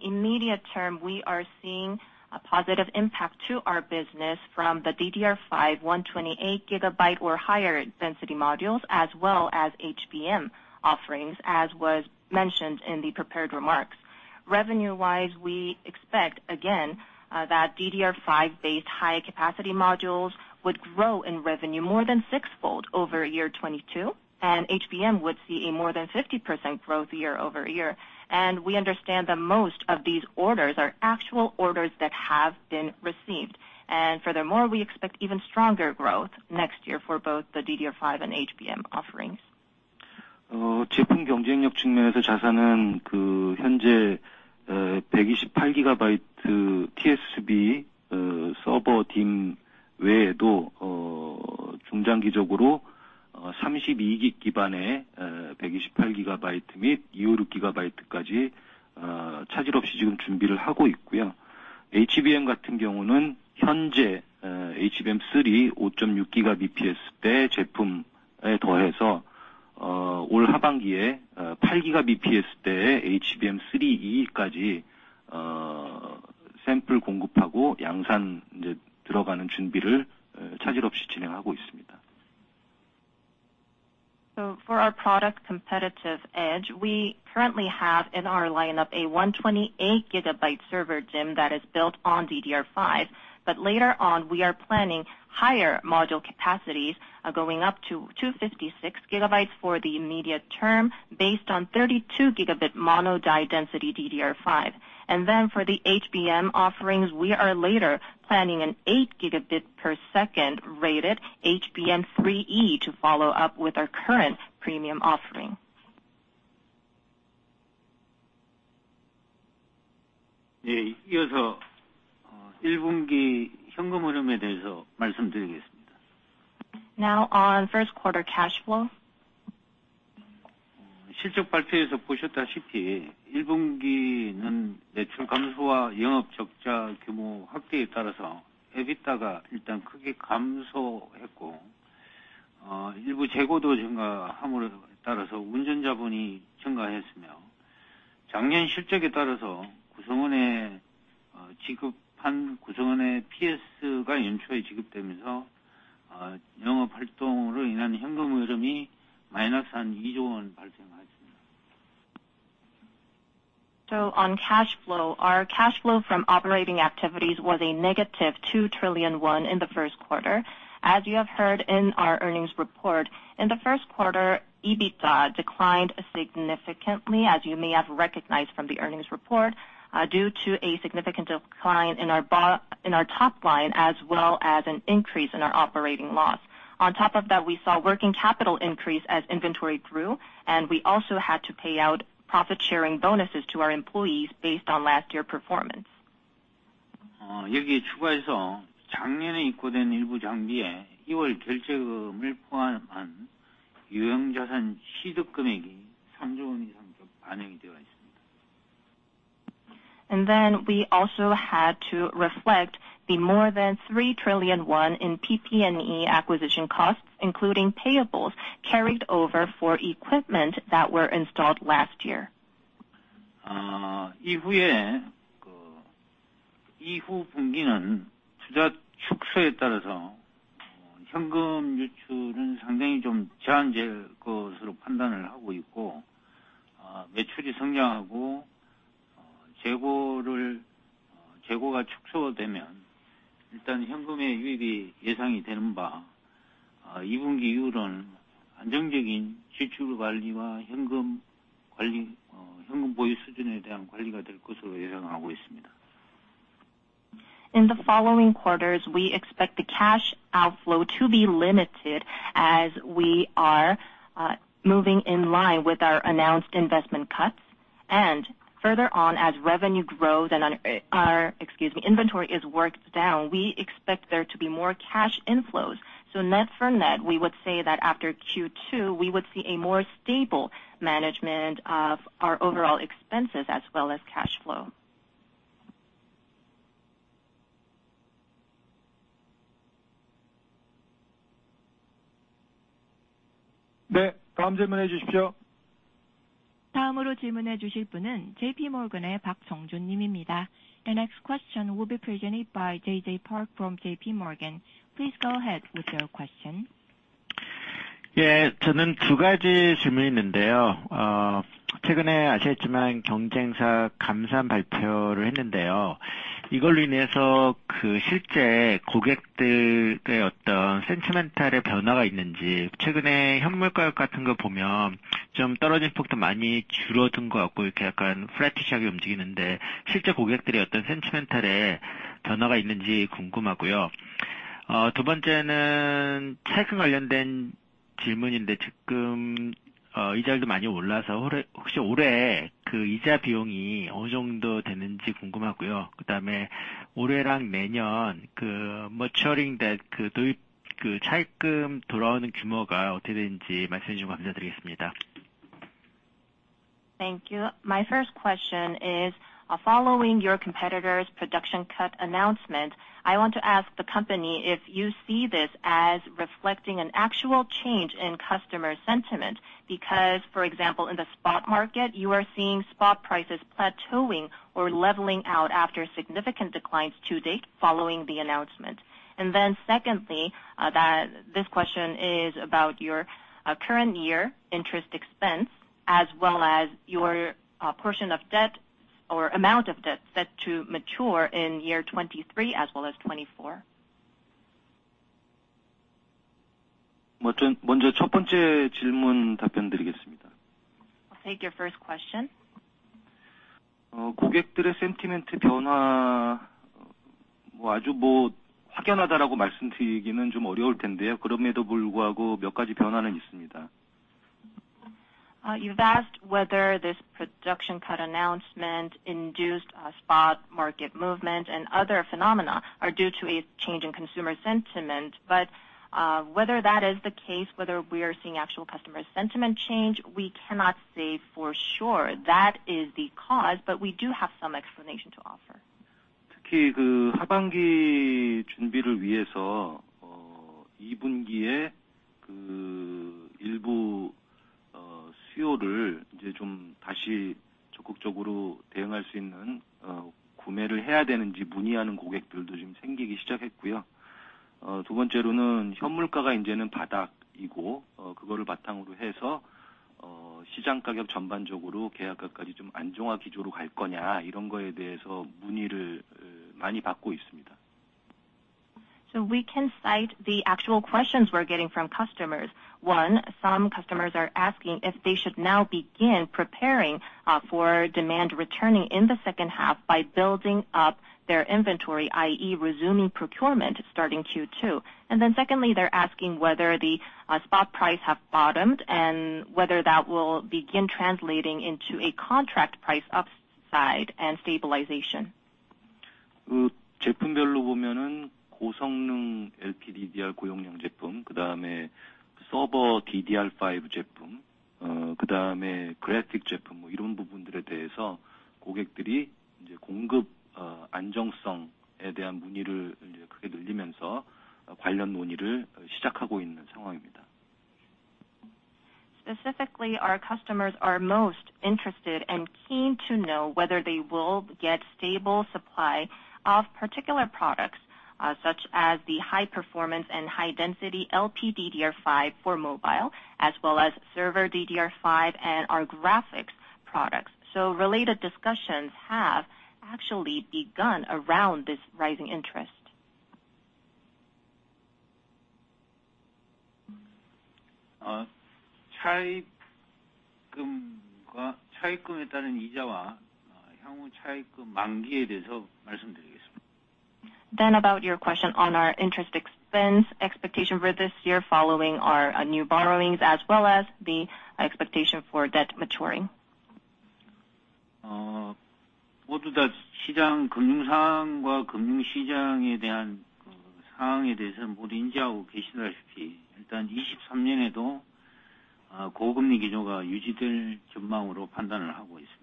immediate term, we are seeing a positive impact to our business from the DDR5 28 GB or higher density modules as well as HBM offerings, as was mentioned in the prepared remarks. Revenue-wise, we expect again that DDR5-based high capacity modules would grow in revenue more than sixfold over 2022, and HBM would see a more than 50% growth year-over-year. We understand that most of these orders are actual orders that have been received. Furthermore, we expect even stronger growth next year for both the DDR5 and HBM offerings. 제품 경쟁력 측면에서 자사는 현재, 128 GB 3DS 서버 DIMM 외에도, 중장기적으로, 32 GB 기반의, 128 GB 및256 GB까지, 차질 없이 지금 준비를 하고 있고요. HBM 같은 경우는 현재, HBM3, 5.6 Gbps 대 제품에 더해서, 올 하반기에, 8 Gbps 대 HBM3E까지, 샘플 공급하고 양산 이제 들어가는 준비를, 차질 없이 진행하고 있습니다. For our product competitive edge, we currently have in our lineup a 128 GB server DIMM that is built on DDR5. Later on, we are planning higher module capacities, going up to 256 GBs for the immediate term based on 32 Gb mono die density DDR5. For the HBM offerings, we are later planning an 8 Gb per second rated HBM3E to follow up with our current premium offering. 예, 이어서, Q1 현금 흐름에 대해서 말씀드리겠습니다. On first quarter cash flow. 실적 발표에서 보셨다시피 1분기는 매출 감소와 영업 적자 규모 확대에 따라서 EBITDA가 일단 크게 감소했고, 일부 재고도 증가함으로 따라서 운전자본이 증가했으며, 작년 실적에 따라서 구성원의 지급한 구성원의 PS가 연초에 지급되면서, 영업활동으로 인한 현금흐름이 마이너스 한 2 trillion 발생하였습니다. On cash flow, our cash flow from operating activities was a negative 2 trillion won in the first quarter. As you have heard in our earnings report, in the first quarter, EBITDA declined significantly as you may have recognized from the earnings report, due to a significant decline in our in our top line, as well as an increase in our operating loss. On top of that, we saw working capital increase as inventory grew, and we also had to pay out profit sharing bonuses to our employees based on last year performance. 어, 여기에 추가해서 작년에 입고된 일부 장비에 이월 결제금을 포함한 유형자산 취득 금액이 삼조 원 이상 또 반영이 되어 있습니다. We also had to reflect the more than 3 trillion won in PP&E acquisition costs, including payables carried over for equipment that were installed last year. 아, 이후에, 그, 이후 분기는 투자 축소에 따라서, 어, 현금 유출은 상당히 좀 제한될 것으로 판단을 하고 있고, 아, 매출이 성장하고, 어, 재고를, 어, 재고가 축소되면 일단 현금의 유입이 예상이 되는 바, 아, 이 분기 이후론 안정적인 지출 관리와 현금 관리, 어, 현금 보유 수준에 대한 관리가 될 것으로 예상하고 있습니다. In the following quarters, we expect the cash outflow to be limited as we are moving in line with our announced investment cuts. Further on, as revenue grows and on, our, excuse me, inventory is worked down, we expect there to be more cash inflows. Net from net, we would say that after Q2, we would see a more stable management of our overall expenses as well as cash flow. 네, 다음 질문해 주십시오. 다음으로 질문해 주실 분은 JP Morgan의 박성준 님입니다. 예, 저는 두 가지 질문이 있는데요. 어, 최근에 아시겠지만 경쟁사 감산 발표를 했는데요. 이걸로 인해서 그 실제 고객들의 어떤 센티멘탈의 변화가 있는지, 최근에 현물 가격 같은 걸 보면 좀 떨어짐 폭도 많이 줄어든 것 같고, 이렇게 약간 flattish하게 움직이는데 실제 고객들의 어떤 센티멘탈에 변화가 있는지 궁금하고요. 어, 두 번째는 차입금 관련된 질문인데 지금, 어, 이자율도 많이 올라서 올해, 혹시 올해 그 이자 비용이 어느 정도 되는지 궁금하고요. 그다음에 올해랑 내년, 그, maturing debt, 그, 도입, 그, 차입금 돌아오는 규모가 어떻게 되는지 말씀해 주시면 감사드리겠습니다. Thank you. My first question is, following your competitor's production cut announcement, I want to ask the company if you see this as reflecting an actual change in customer sentiment because, for example, in the spot market you are seeing spot prices plateauing or leveling out after significant declines to date following the announcement. Secondly, that this question is about your current year interest expense as well as your portion of debt or amount of debt set to mature in year 2023 as well as 2024. 먼저 첫 번째 질문 답변드리겠습니다. I'll take your first question. 고객들의 sentiment 변화 뭐 아주 뭐 확연하다라고 말씀드리기는 좀 어려울 텐데요. 그럼에도 불구하고 몇 가지 변화는 있습니다. You've asked whether this production cut announcement induced a spot market movement and other phenomena are due to a change in consumer sentiment. Whether that is the case, whether we are seeing actual customer sentiment change, we cannot say for sure that is the cause, but we do have some explanation to offer. 특히 그 하반기 준비를 위해서 어, 이 분기에 그 일부 어, 수요를 이제 좀 다시 적극적으로 대응할 수 있는 어, 구매를 해야 되는지 문의하는 고객들도 지금 생기기 시작했고요. 어, 두 번째로는 현물가가 이제는 바닥이고, 어, 그거를 바탕으로 해서 어, 시장 가격 전반적으로 계약까지 좀 안정화 기조로 갈 거냐, 이런 거에 대해서 문의를 어, 많이 받고 있습니다. We can cite the actual questions we're getting from customers. One, some customers are asking if they should now begin preparing for demand returning in the second half by building up their inventory, i.e. resuming procurement starting Q2. Secondly, they're asking whether the spot price have bottomed and whether that will begin translating into a contract price upside and stabilization. 그 제품별로 보면은 고성능 LPDDR5 고용량 제품, 그다음에 서버 DDR5 제품, 그다음에 그래픽 제품 뭐 이런 부분들에 대해서 고객들이 이제 공급 안정성에 대한 문의를 이제 크게 늘리면서 관련 논의를 시작하고 있는 상황입니다. Specifically, our customers are most interested and keen to know whether they will get stable supply of particular products, such as the high performance and high density LPDDR5 for mobile, as well as server DDR5 and our graphics products. Related discussions have actually begun around this rising interest. 차입금과 차입금에 따른 이자와 향후 차입금 만기에 대해서 말씀드리겠습니다. About your question on our interest expense expectation for this year following our new borrowings as well as the expectation for debt maturing. 모두 다 시장 금융 상황과 금융시장에 대한 그 상황에 대해서 모두 인지하고 계시다시피 일단 2023년에도 고금리 기조가 유지될 전망으로 판단을 하고 있습니다.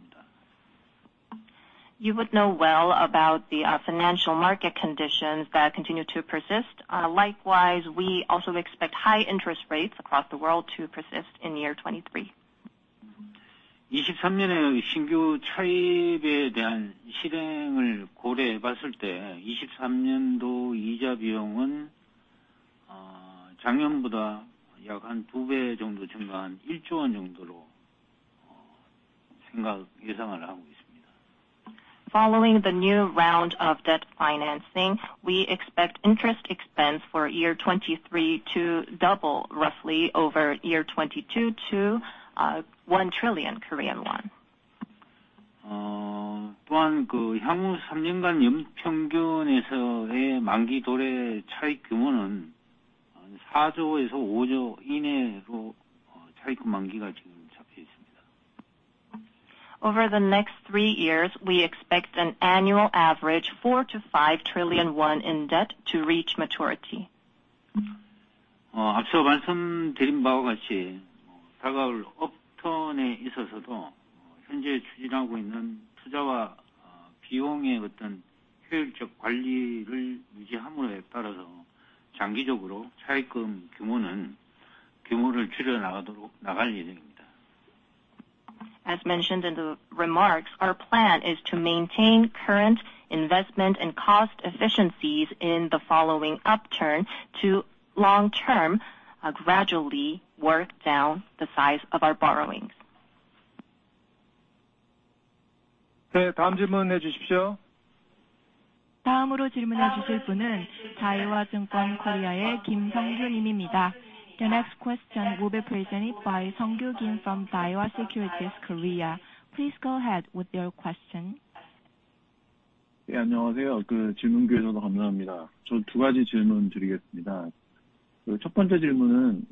You would know well about the financial market conditions that continue to persist. Likewise, we also expect high interest rates across the world to persist in 2023. 2023년에 신규 차입에 대한 실행을 고려해 봤을 때 2023년도 이자 비용은 작년보다 약 2배 정도 증가한 1 trillion 정도로 예상을 하고 있습니다. Following the new round of debt financing, we expect interest expense for year 2023 to double roughly over year 2022 to KRW 1 trillion. 그 향후 3년간 연평균에서의 만기 도래 차입 규모는 4 trillion-5 trillion 이내로 차입금 만기가 지금 잡혀 있습니다. Over the next three years, we expect an annual average 4 trillion-5 trillion won in debt to reach maturity. 앞서 말씀드린 바와 같이 다가올 upturn에 있어서도 현재 추진하고 있는 투자와 비용의 어떤 효율적 관리를 유지함으로에 따라서 장기적으로 차입금 규모는 규모를 줄여 나가도록, 나갈 예정입니다. As mentioned in the remarks, our plan is to maintain current investment and cost efficiencies in the following upturn to long term, gradually work down the size of our borrowings. 네, 다음 질문해 주십시오. The next question will be presented by Sung Kyu Kim from Daiwa Securities Korea. Please go ahead with your question. 예, 안녕하세요. 그 질문 기회 주셔서 감사합니다. 전두 가지 질문드리겠습니다. 그첫 번째 질문은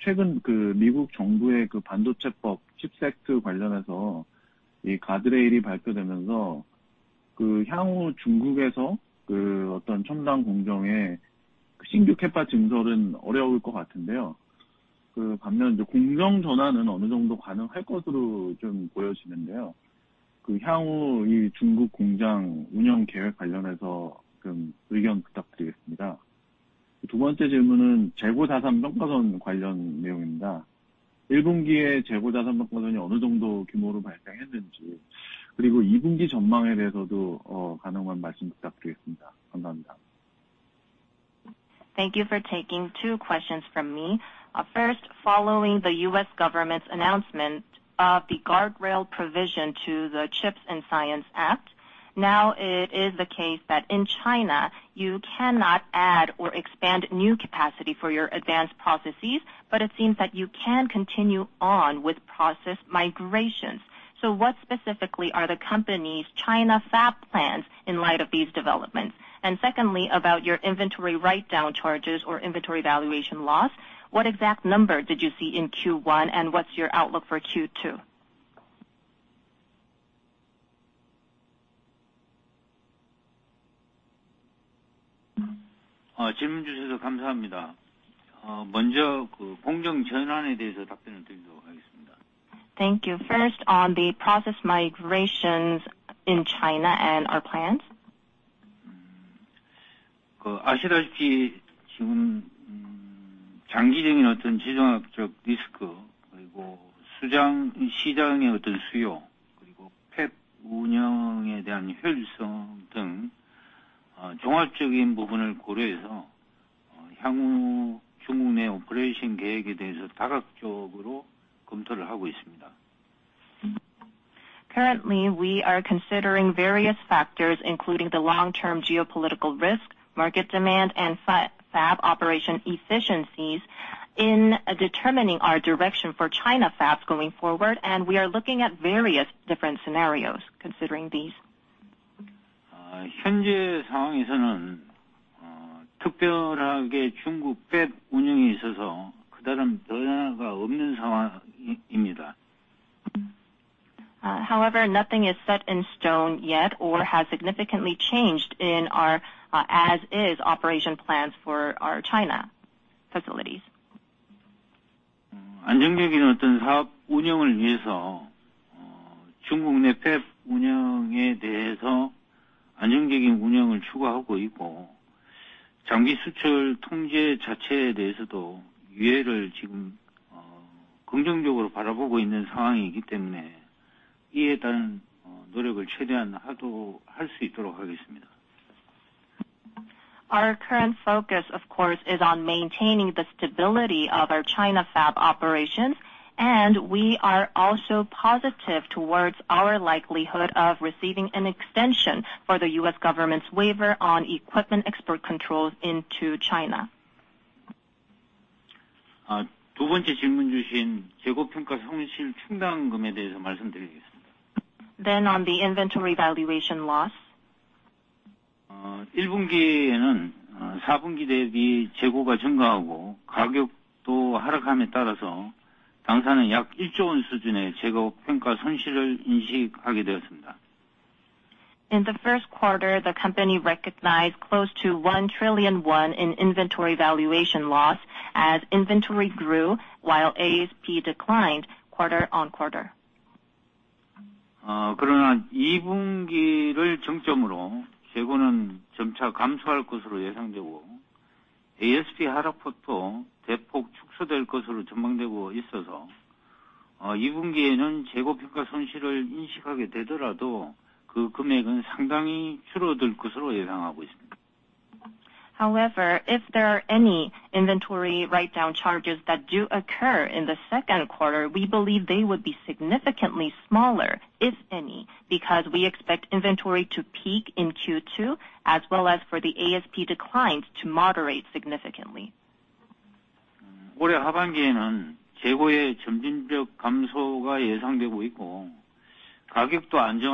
최근 그 미국 정부의 그 반도체법 CHIPS Act 관련해서 이 guardrail이 발표되면서 그 향후 중국에서 그 어떤 첨단 공정의 신규 Capa 증설은 어려울 것 같은데요. 그 반면 이제 공정 전환은 어느 정도 가능할 것으로 좀 보여지는데요. 그 향후 이 중국 공장 운영 계획 관련해서 좀 의견 부탁드리겠습니다. 두 번째 질문은 재고자산 평가손 관련 내용입니다. Q1에 재고자산 평가손이 어느 정도 규모로 발생했는지, 그리고 Q2 전망에 대해서도 가능한 말씀 부탁드리겠습니다. 감사합니다. Thank you for taking two questions from me. First, following the U.S. government's announcement of the Guardrail provision to the CHIPS and Science Act. Now it is the case that in China you cannot add or expand new capacity for your advanced processes, but it seems that you can continue on with process migrations. What specifically are the company's China fab plans in light of these developments? Secondly, about your inventory write down charges or inventory valuation loss, what exact number did you see in Q1 and what's your outlook for Q2? Thank you. First, on the process migrations in China and our plans. Currently, we are considering various factors, including the long-term geopolitical risk, market demand, and fab operation efficiencies in determining our direction for China fabs going forward, and we are looking at various different scenarios considering these. However, nothing is set in stone yet or has significantly changed in our as is operation plans for our China facilities. Our current focus, of course, is on maintaining the stability of our China fab operations, and we are also positive towards our likelihood of receiving an extension for the U.S. government's waiver on equipment export controls into China. On the inventory valuation loss. In the first quarter, the company recognized close to 1 trillion won in inventory valuation loss as inventory grew while ASP declined quarter-on-quarter. If there are any inventory write down charges that do occur in the second quarter, we believe they would be significantly smaller, if any, because we expect inventory to peak in Q2 as well as for the ASP declines to moderate significantly. In the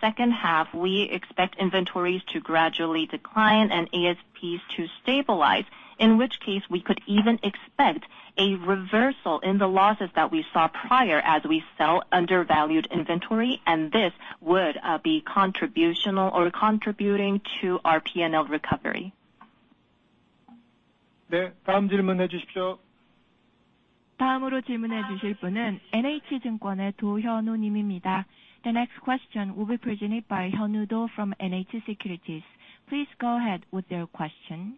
second half, we expect inventories to gradually decline and ASPs to stabilize, in which case we could even expect a reversal in the losses that we saw prior as we sell undervalued inventory and this would be contributing to our P&L recovery. The next question will be presented by Hyunwoo Doh from NH Securities. Please go ahead with your question.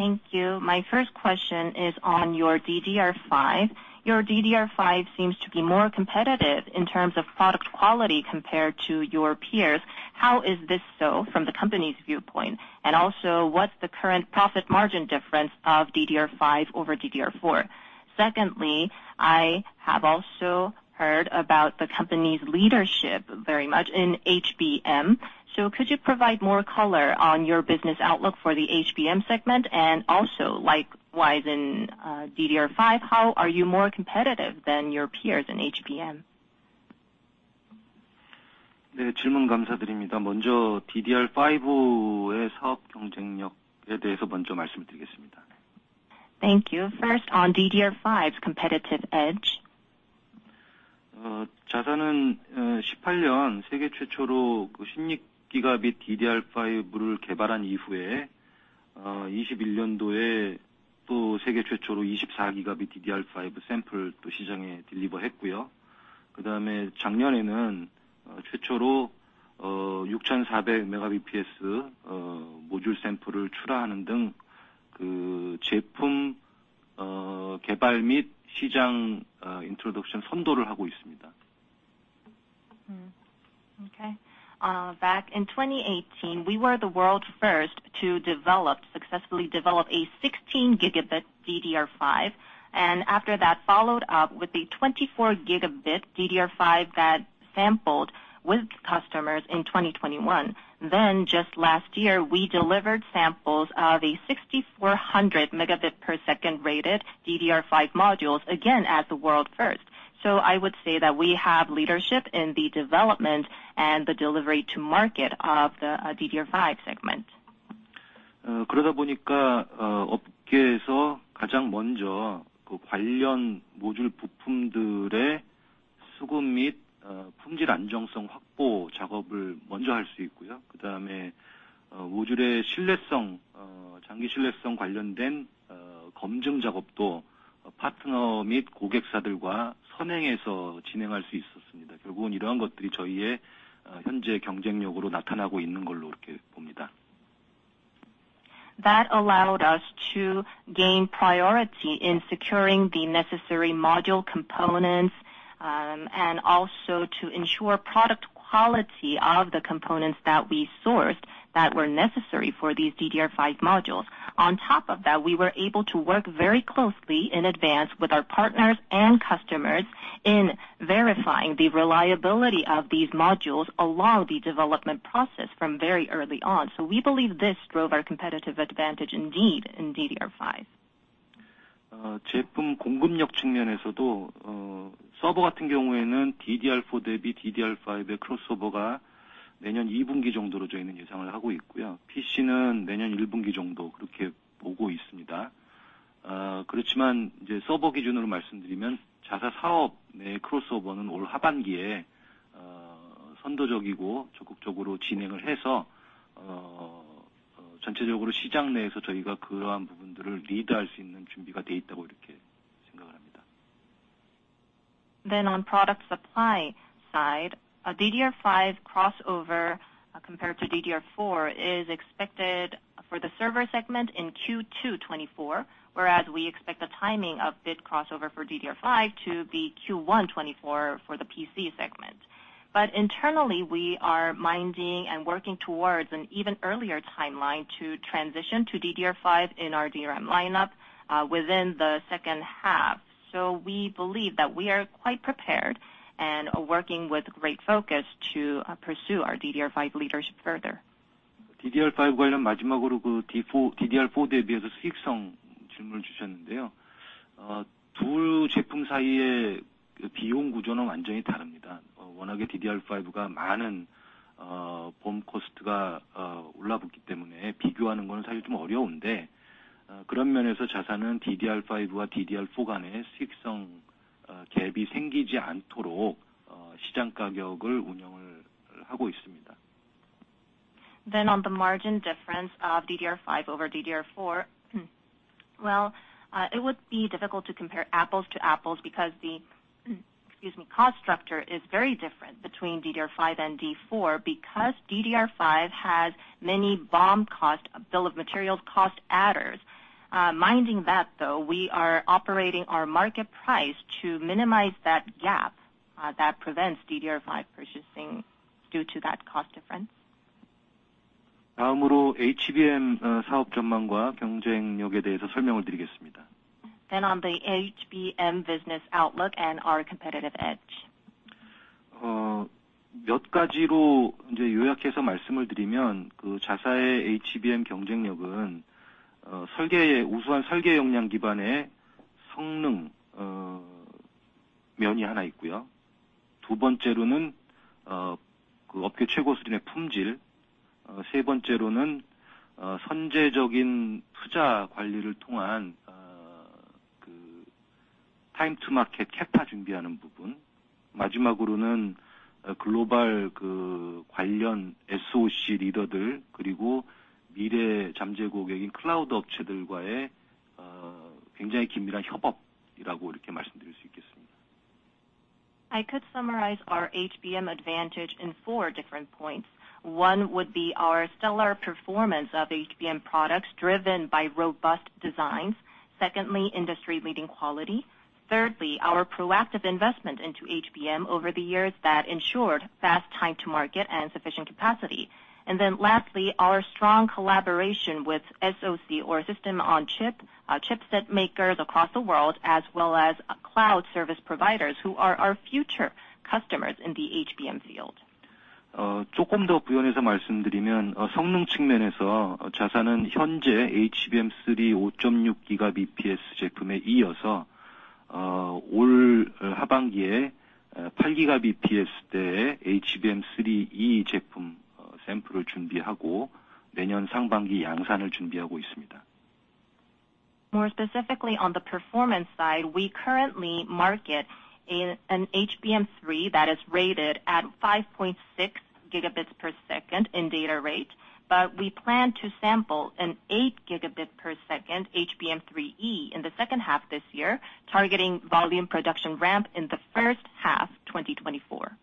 Thank you. My first question is on your DDR5. Your DDR5 seems to be more competitive in terms of product quality compared to your peers. How is this so from the company's viewpoint? Also, what's the current profit margin difference of DDR5 over DDR4? Secondly, I have also heard about the company's leadership very much in HBM. Could you provide more color on your business outlook for the HBM segment? Also, likewise in DDR5, how are you more competitive than your peers in HBM? 네, 질문 감사드립니다. 먼저 DDR5의 사업 경쟁력에 대해서 먼저 말씀드리겠습니다. Thank you. First, on DDR5 competitive edge. 자사는 2018년 세계 최초로 16 Gb DDR5를 개발한 이후에 2021년도에 또 세계 최초로 24 Gb DDR5 샘플 또 시장에 deliver 했고요. 작년에는 최초로 6,400 Mbps 모듈 샘플을 출하하는 등그 제품 개발 및 시장 introduction 선도를 하고 있습니다. Back in 2018, we were the world's first to develop, successfully develop a 16 Gb DDR5. After that followed up with a 24 Gb DDR5 that sampled with customers in 2021. Just last year, we delivered samples of a 6,400 Mb per second rated DDR5 modules, again, as the world first. I would say that we have leadership in the development and the delivery to market of the DDR5 segment. 그러다 보니까 업계에서 가장 먼저 그 관련 모듈 부품들의 수급 및 품질 안정성 확보 작업을 먼저 할수 있고요. 그다음에 모듈의 신뢰성 장기 신뢰성 관련된 검증 작업도 파트너 및 고객사들과 선행해서 진행할 수 있었습니다. 결국은 이러한 것들이 저희의 현재 경쟁력으로 나타나고 있는 걸로 이렇게 봅니다. That allowed us to gain priority in securing the necessary module components, and also to ensure product quality of the components that we sourced that were necessary for these DDR5 modules. On top of that, we were able to work very closely in advance with our partners and customers in verifying the reliability of these modules along the development process from very early on. We believe this drove our competitive advantage indeed in DDR5. 제품 공급력 측면에서도 서버 같은 경우에는 DDR4 대비 DDR5의 crossover가 내년 2Q 정도로 저희는 예상을 하고 있고요. PC는 내년 1Q 정도 그렇게 보고 있습니다. 그렇지만 이제 서버 기준으로 말씀드리면 자사 사업의 crossover는 올 하반기에 선도적이고 적극적으로 진행을 해서 전체적으로 시장 내에서 저희가 그러한 부분들을 lead 할수 있는 준비가 돼 있다고 이렇게 생각을 합니다. On product supply side, a DDR5 crossover compared to DDR4 is expected for the server segment in Q2 2024, whereas we expect the timing of bit crossover for DDR5 to be Q1 2024 for the PC segment. Internally, we are minding and working towards an even earlier timeline to transition to DDR5 in our DRAM lineup within the second half. We believe that we are quite prepared and are working with great focus to pursue our DDR5 leadership further. DDR5 관련 마지막으로 그 D4, DDR4 대비해서 수익성 질문을 주셨는데요. 둘 제품 사이의 비용 구조는 완전히 다릅니다. 워낙에 DDR5가 많은 BOM cost가 올라붙기 때문에 비교하는 거는 사실 좀 어려운데, 그런 면에서 자산은 DDR5와 DDR4 간의 수익성 gap이 생기지 않도록 시장 가격을 운영을 하고 있습니다. On the margin difference of DDR5 over DDR4. Well, it would be difficult to compare apples to apples because the, excuse me, cost structure is very different between DDR5 and D4 because DDR5 has many BOM cost, bill of materials cost adders. Minding that, though, we are operating our market price to minimize that gap, that prevents DDR5 purchasing due to that cost difference. 다음으로 HBM, 사업 전망과 경쟁력에 대해서 설명을 드리겠습니다. On the HBM business outlook and our competitive edge. 몇 가지로 이제 요약해서 말씀을 드리면, 그 자사의 HBM 경쟁력은 설계의 우수한 설계 역량 기반의 성능 면이 하나 있고요. 두 번째로는 그 업계 최고 수준의 품질, 세 번째로는 선제적인 투자 관리를 통한 그 time to market capa 준비하는 부분, 마지막으로는 글로벌 그 관련 SOC 리더들, 그리고 미래 잠재 고객인 클라우드 업체들과의 굉장히 긴밀한 협업이라고 이렇게 말씀드릴 수 있겠습니다. I could summarize our HBM advantage in four different points. One would be our stellar performance of HBM products driven by robust designs. Secondly, industry leading quality. Thirdly, our proactive investment into HBM over the years that ensured fast time to market and sufficient capacity. Lastly, our strong collaboration with SoC or system on chip, chipset makers across the world, as well as cloud service providers who are our future customers in the HBM field. 조금 더 부연해서 말씀드리면 성능 측면에서 자사는 현재 HBM3 6 gbps 제품에 이어서 More specifically on the performance side, we currently market in an HBM3 that is rated at 5.6 Gb per second in data rate. We plan to sample an 8 Gb per second HBM3E in the second half this year, targeting volume production ramp in the first half 2024.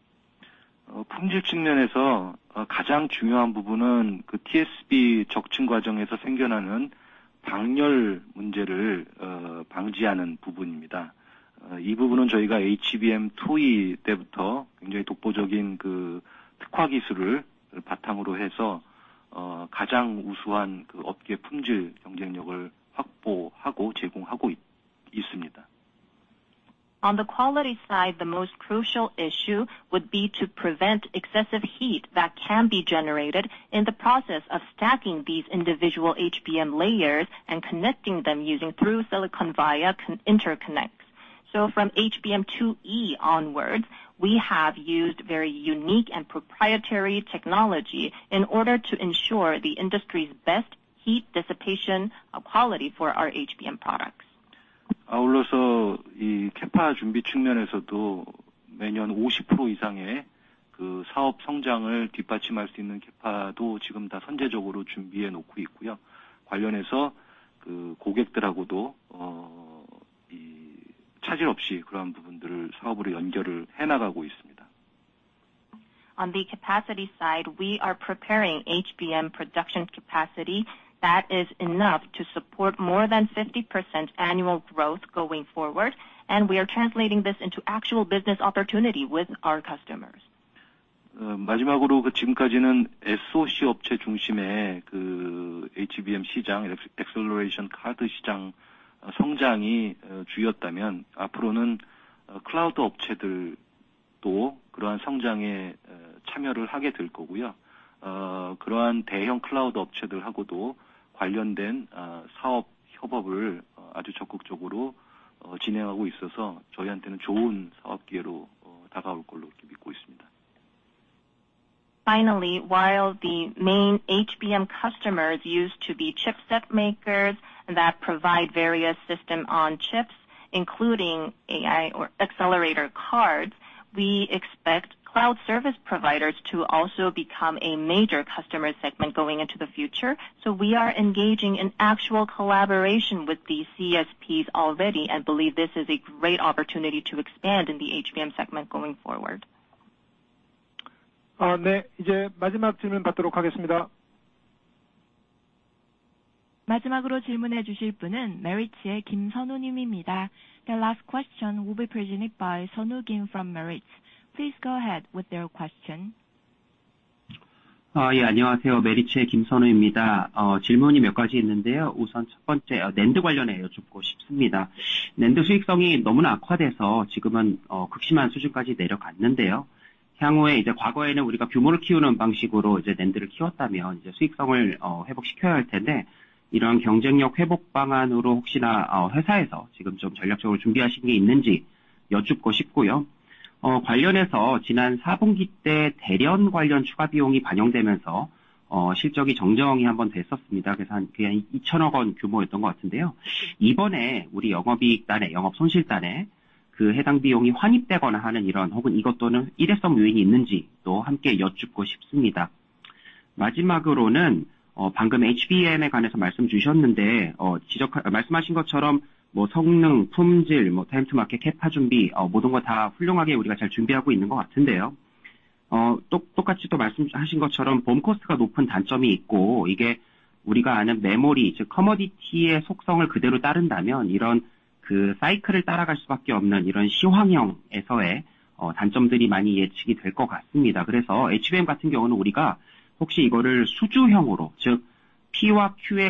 On the quality side, the most crucial issue would be to prevent excessive heat that can be generated in the process of stacking these individual HBM layers and connecting them using through-silicon via interconnects. From HBM2E onwards, we have used very unique and proprietary technology in order to ensure the industry's best heat dissipation quality for our HBM products. On the capacity side, we are preparing HBM production capacity that is enough to support more than 50% annual growth going forward. We are translating this into actual business opportunity with our customers. The last question will be presented by Sunwoo Kim from Meritz. Please go ahead with your question. Yeah. Meritz. Thank you. I have two questions. First, on your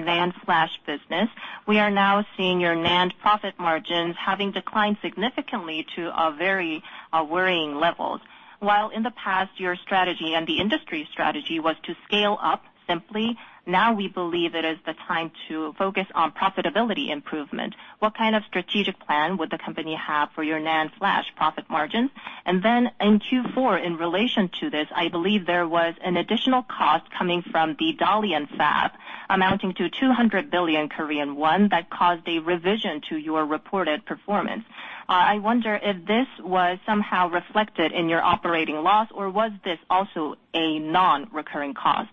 NAND flash business, we are now seeing your NAND profit margins having declined significantly to a very worrying level. While in the past, your strategy and the industry strategy was to scale up simply, now we believe it is the time to focus on profitability improvement. What kind of strategic plan would the company have for your NAND flash profit margin? In Q4, in relation to this, I believe there was an additional cost coming from the Dalian FAB amounting to 200 billion Korean won that caused a revision to your reported performance. I wonder if this was somehow reflected in your operating loss or was this also a non-recurring cost?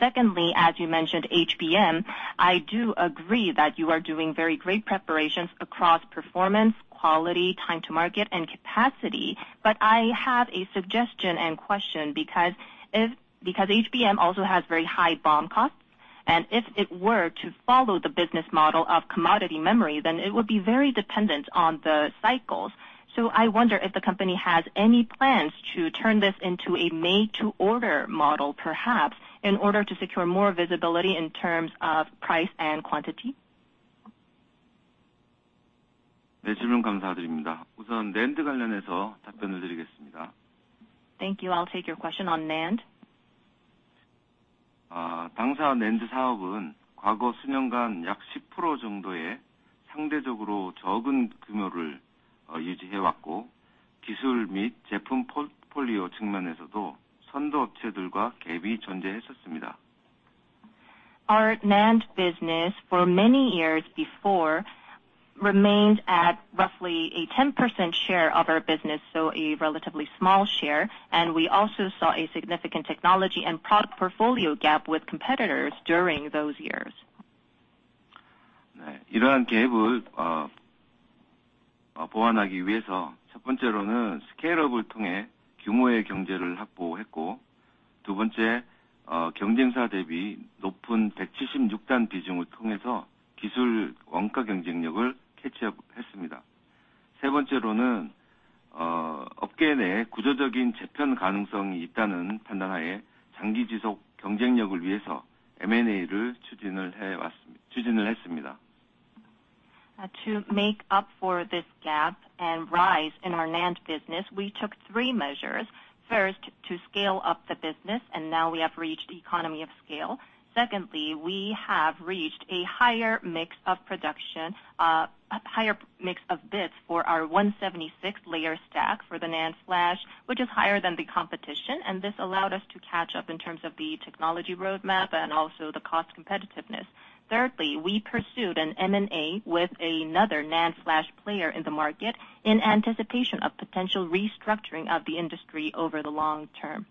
Secondly, as you mentioned, HBM, I do agree that you are doing very great preparations across performance, quality, time to market and capacity. I have a suggestion and question because HBM also has very high BOM costs, and if it were to follow the business model of commodity memory, then it would be very dependent on the cycles. I wonder if the company has any plans to turn this into a made to order model, perhaps, in order to secure more visibility in terms of price and quantity? Thank you. I'll take your question on NAND. Our NAND business for many years before remained at roughly a 10% share of our business, so a relatively small share. We also saw a significant technology and product portfolio gap with competitors during those years. To make up for this gap and rise in our NAND business, we took three measures. First, to scale up the business, and now we have reached economy of scale. Secondly, we have reached a higher mix of production, a higher mix of bits for our 176-layer stack for the NAND Flash, which is higher than the competition, and this allowed us to catch up in terms of the technology roadmap and also the cost competitiveness. Thirdly, we pursued an M&A with another NAND Flash player in the market in anticipation of potential restructuring of the industry over the long term.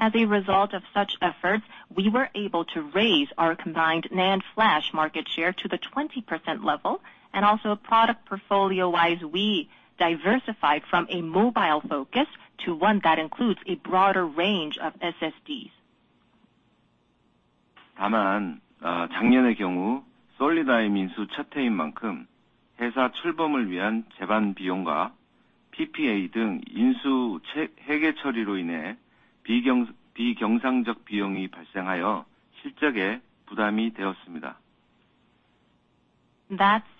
As a result of such efforts, we were able to raise our combined NAND Flash market share to the 20% level and also product portfolio-wise, we diversified from a mobile focus to one that includes a broader range of SSDs. That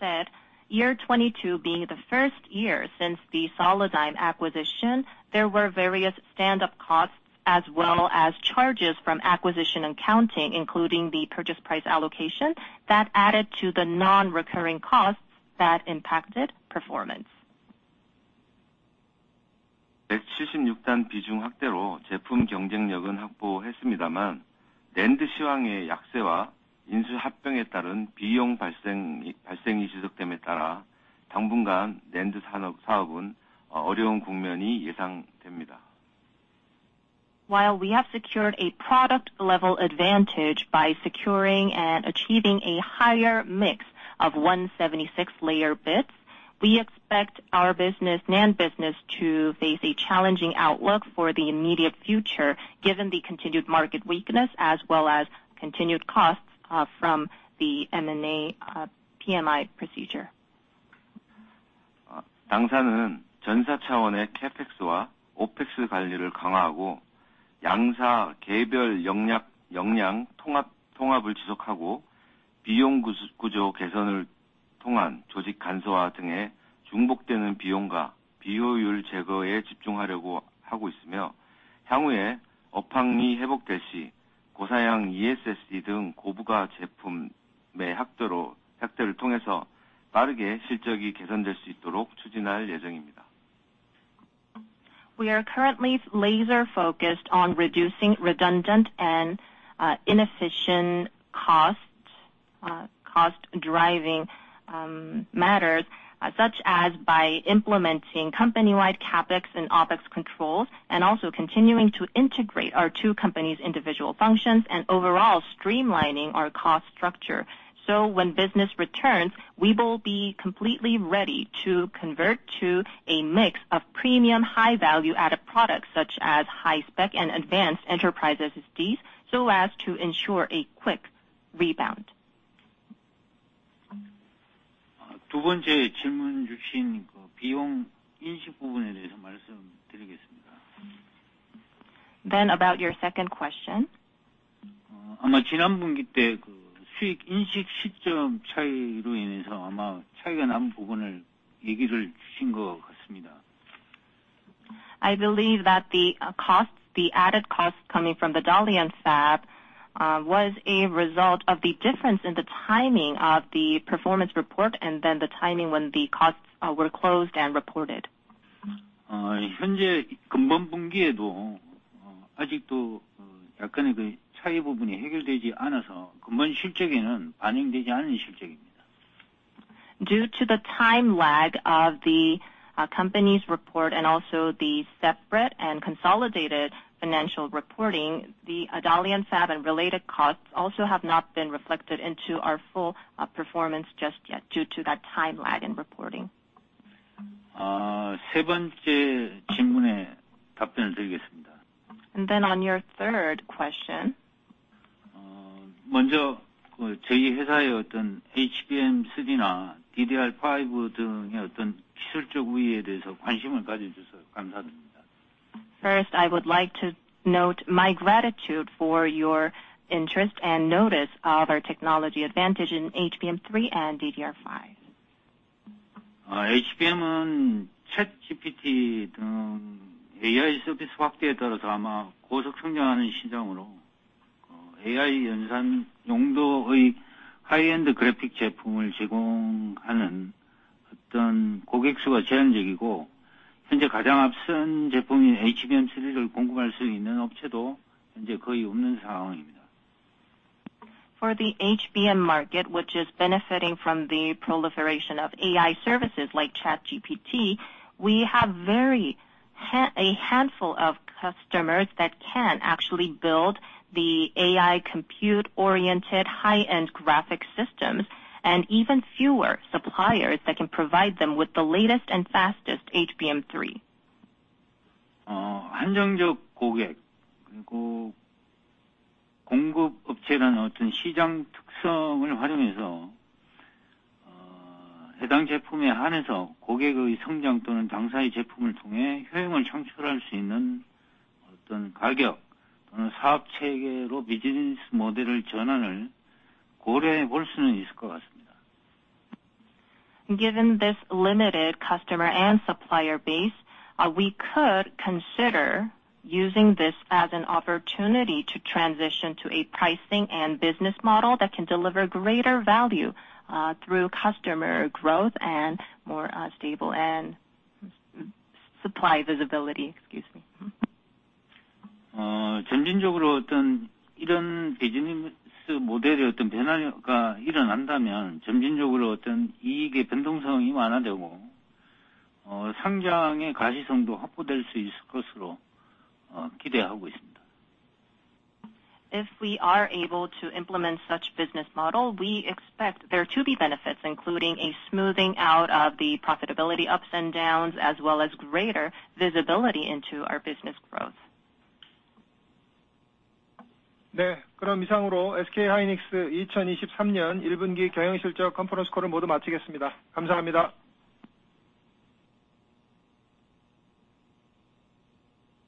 said, year 2022 being the first year since the Solidigm acquisition, there were various stand-up costs as well as charges from acquisition and counting, including the purchase price allocation that added to the non-recurring costs that impacted performance. While we have secured a product level advantage by securing and achieving a higher mix of 176-layer bits, we expect our business, NAND business to face a challenging outlook for the immediate future, given the continued market weakness as well as continued costs from the M&A PMI procedure. We are currently laser focused on reducing redundant and inefficient costs, cost driving matters, such as by implementing company-wide CapEx and OpEx controls and also continuing to integrate our two companies' individual functions and overall streamlining our cost structure. When business returns, we will be completely ready to convert to a mix of premium high value added products such as high spec and advanced enterprise SSDs, so as to ensure a quick rebound. About your second question. I believe that the costs, the added costs coming from the Dalian fab was a result of the difference in the timing of the performance report and then the timing when the costs were closed and reported. Due to the time lag of the company's report and also the separate and consolidated financial reporting, the Dalian fab and related costs also have not been reflected into our full performance just yet due to that time lag in reporting. 세 번째 질문에 답변을 드리겠습니다. On your third question. 먼저 그 저희 회사의 어떤 HBM3나 DDR5 등의 어떤 기술적 우위에 대해서 관심을 가져주셔서 감사드립니다. I would like to note my gratitude for your interest and notice of our technology advantage in HBM3 and DDR5. HBM은 ChatGPT 등 AI 서비스 확대에 따라서 아마 고속 성장하는 시장으로 AI 연산 용도의 하이엔드 그래픽 제품을 제공하는 어떤 고객 수가 제한적이고, 현재 가장 앞선 제품인 HBM3를 공급할 수 있는 업체도 현재 거의 없는 상황입니다. For the HBM market, which is benefiting from the proliferation of AI services like ChatGPT, we have a handful of customers that can actually build the AI compute-oriented high-end graphic systems and even fewer suppliers that can provide them with the latest and fastest HBM3. 어, 한정적 고객 그리고 공급 업체라는 어떤 시장 특성을 활용해서, 어, 해당 제품에 한해서 고객의 성장 또는 당사의 제품을 통해 효용을 창출할 수 있는 어떤 가격 또는 사업 체계로 비즈니스 모델을 전환을 고려해 볼 수는 있을 것 같습니다. Given this limited customer and supplier base, we could consider using this as an opportunity to transition to a pricing and business model that can deliver greater value, through customer growth and more, stable and supply visibility. Excuse me. 점진적으로 어떤 이런 비즈니스 모델의 어떤 변화가 일어난다면 점진적으로 어떤 이익의 변동성이 완화되고, 성장의 가시성도 확보될 수 있을 것으로, 기대하고 있습니다. If we are able to implement such business model, we expect there to be benefits, including a smoothing out of the profitability ups and downs, as well as greater visibility into our business growth. 네, 이상으로 SK hynix 2023년 1분기 경영실적 컨퍼런스 콜을 모두 마치겠습니다. 감사합니다.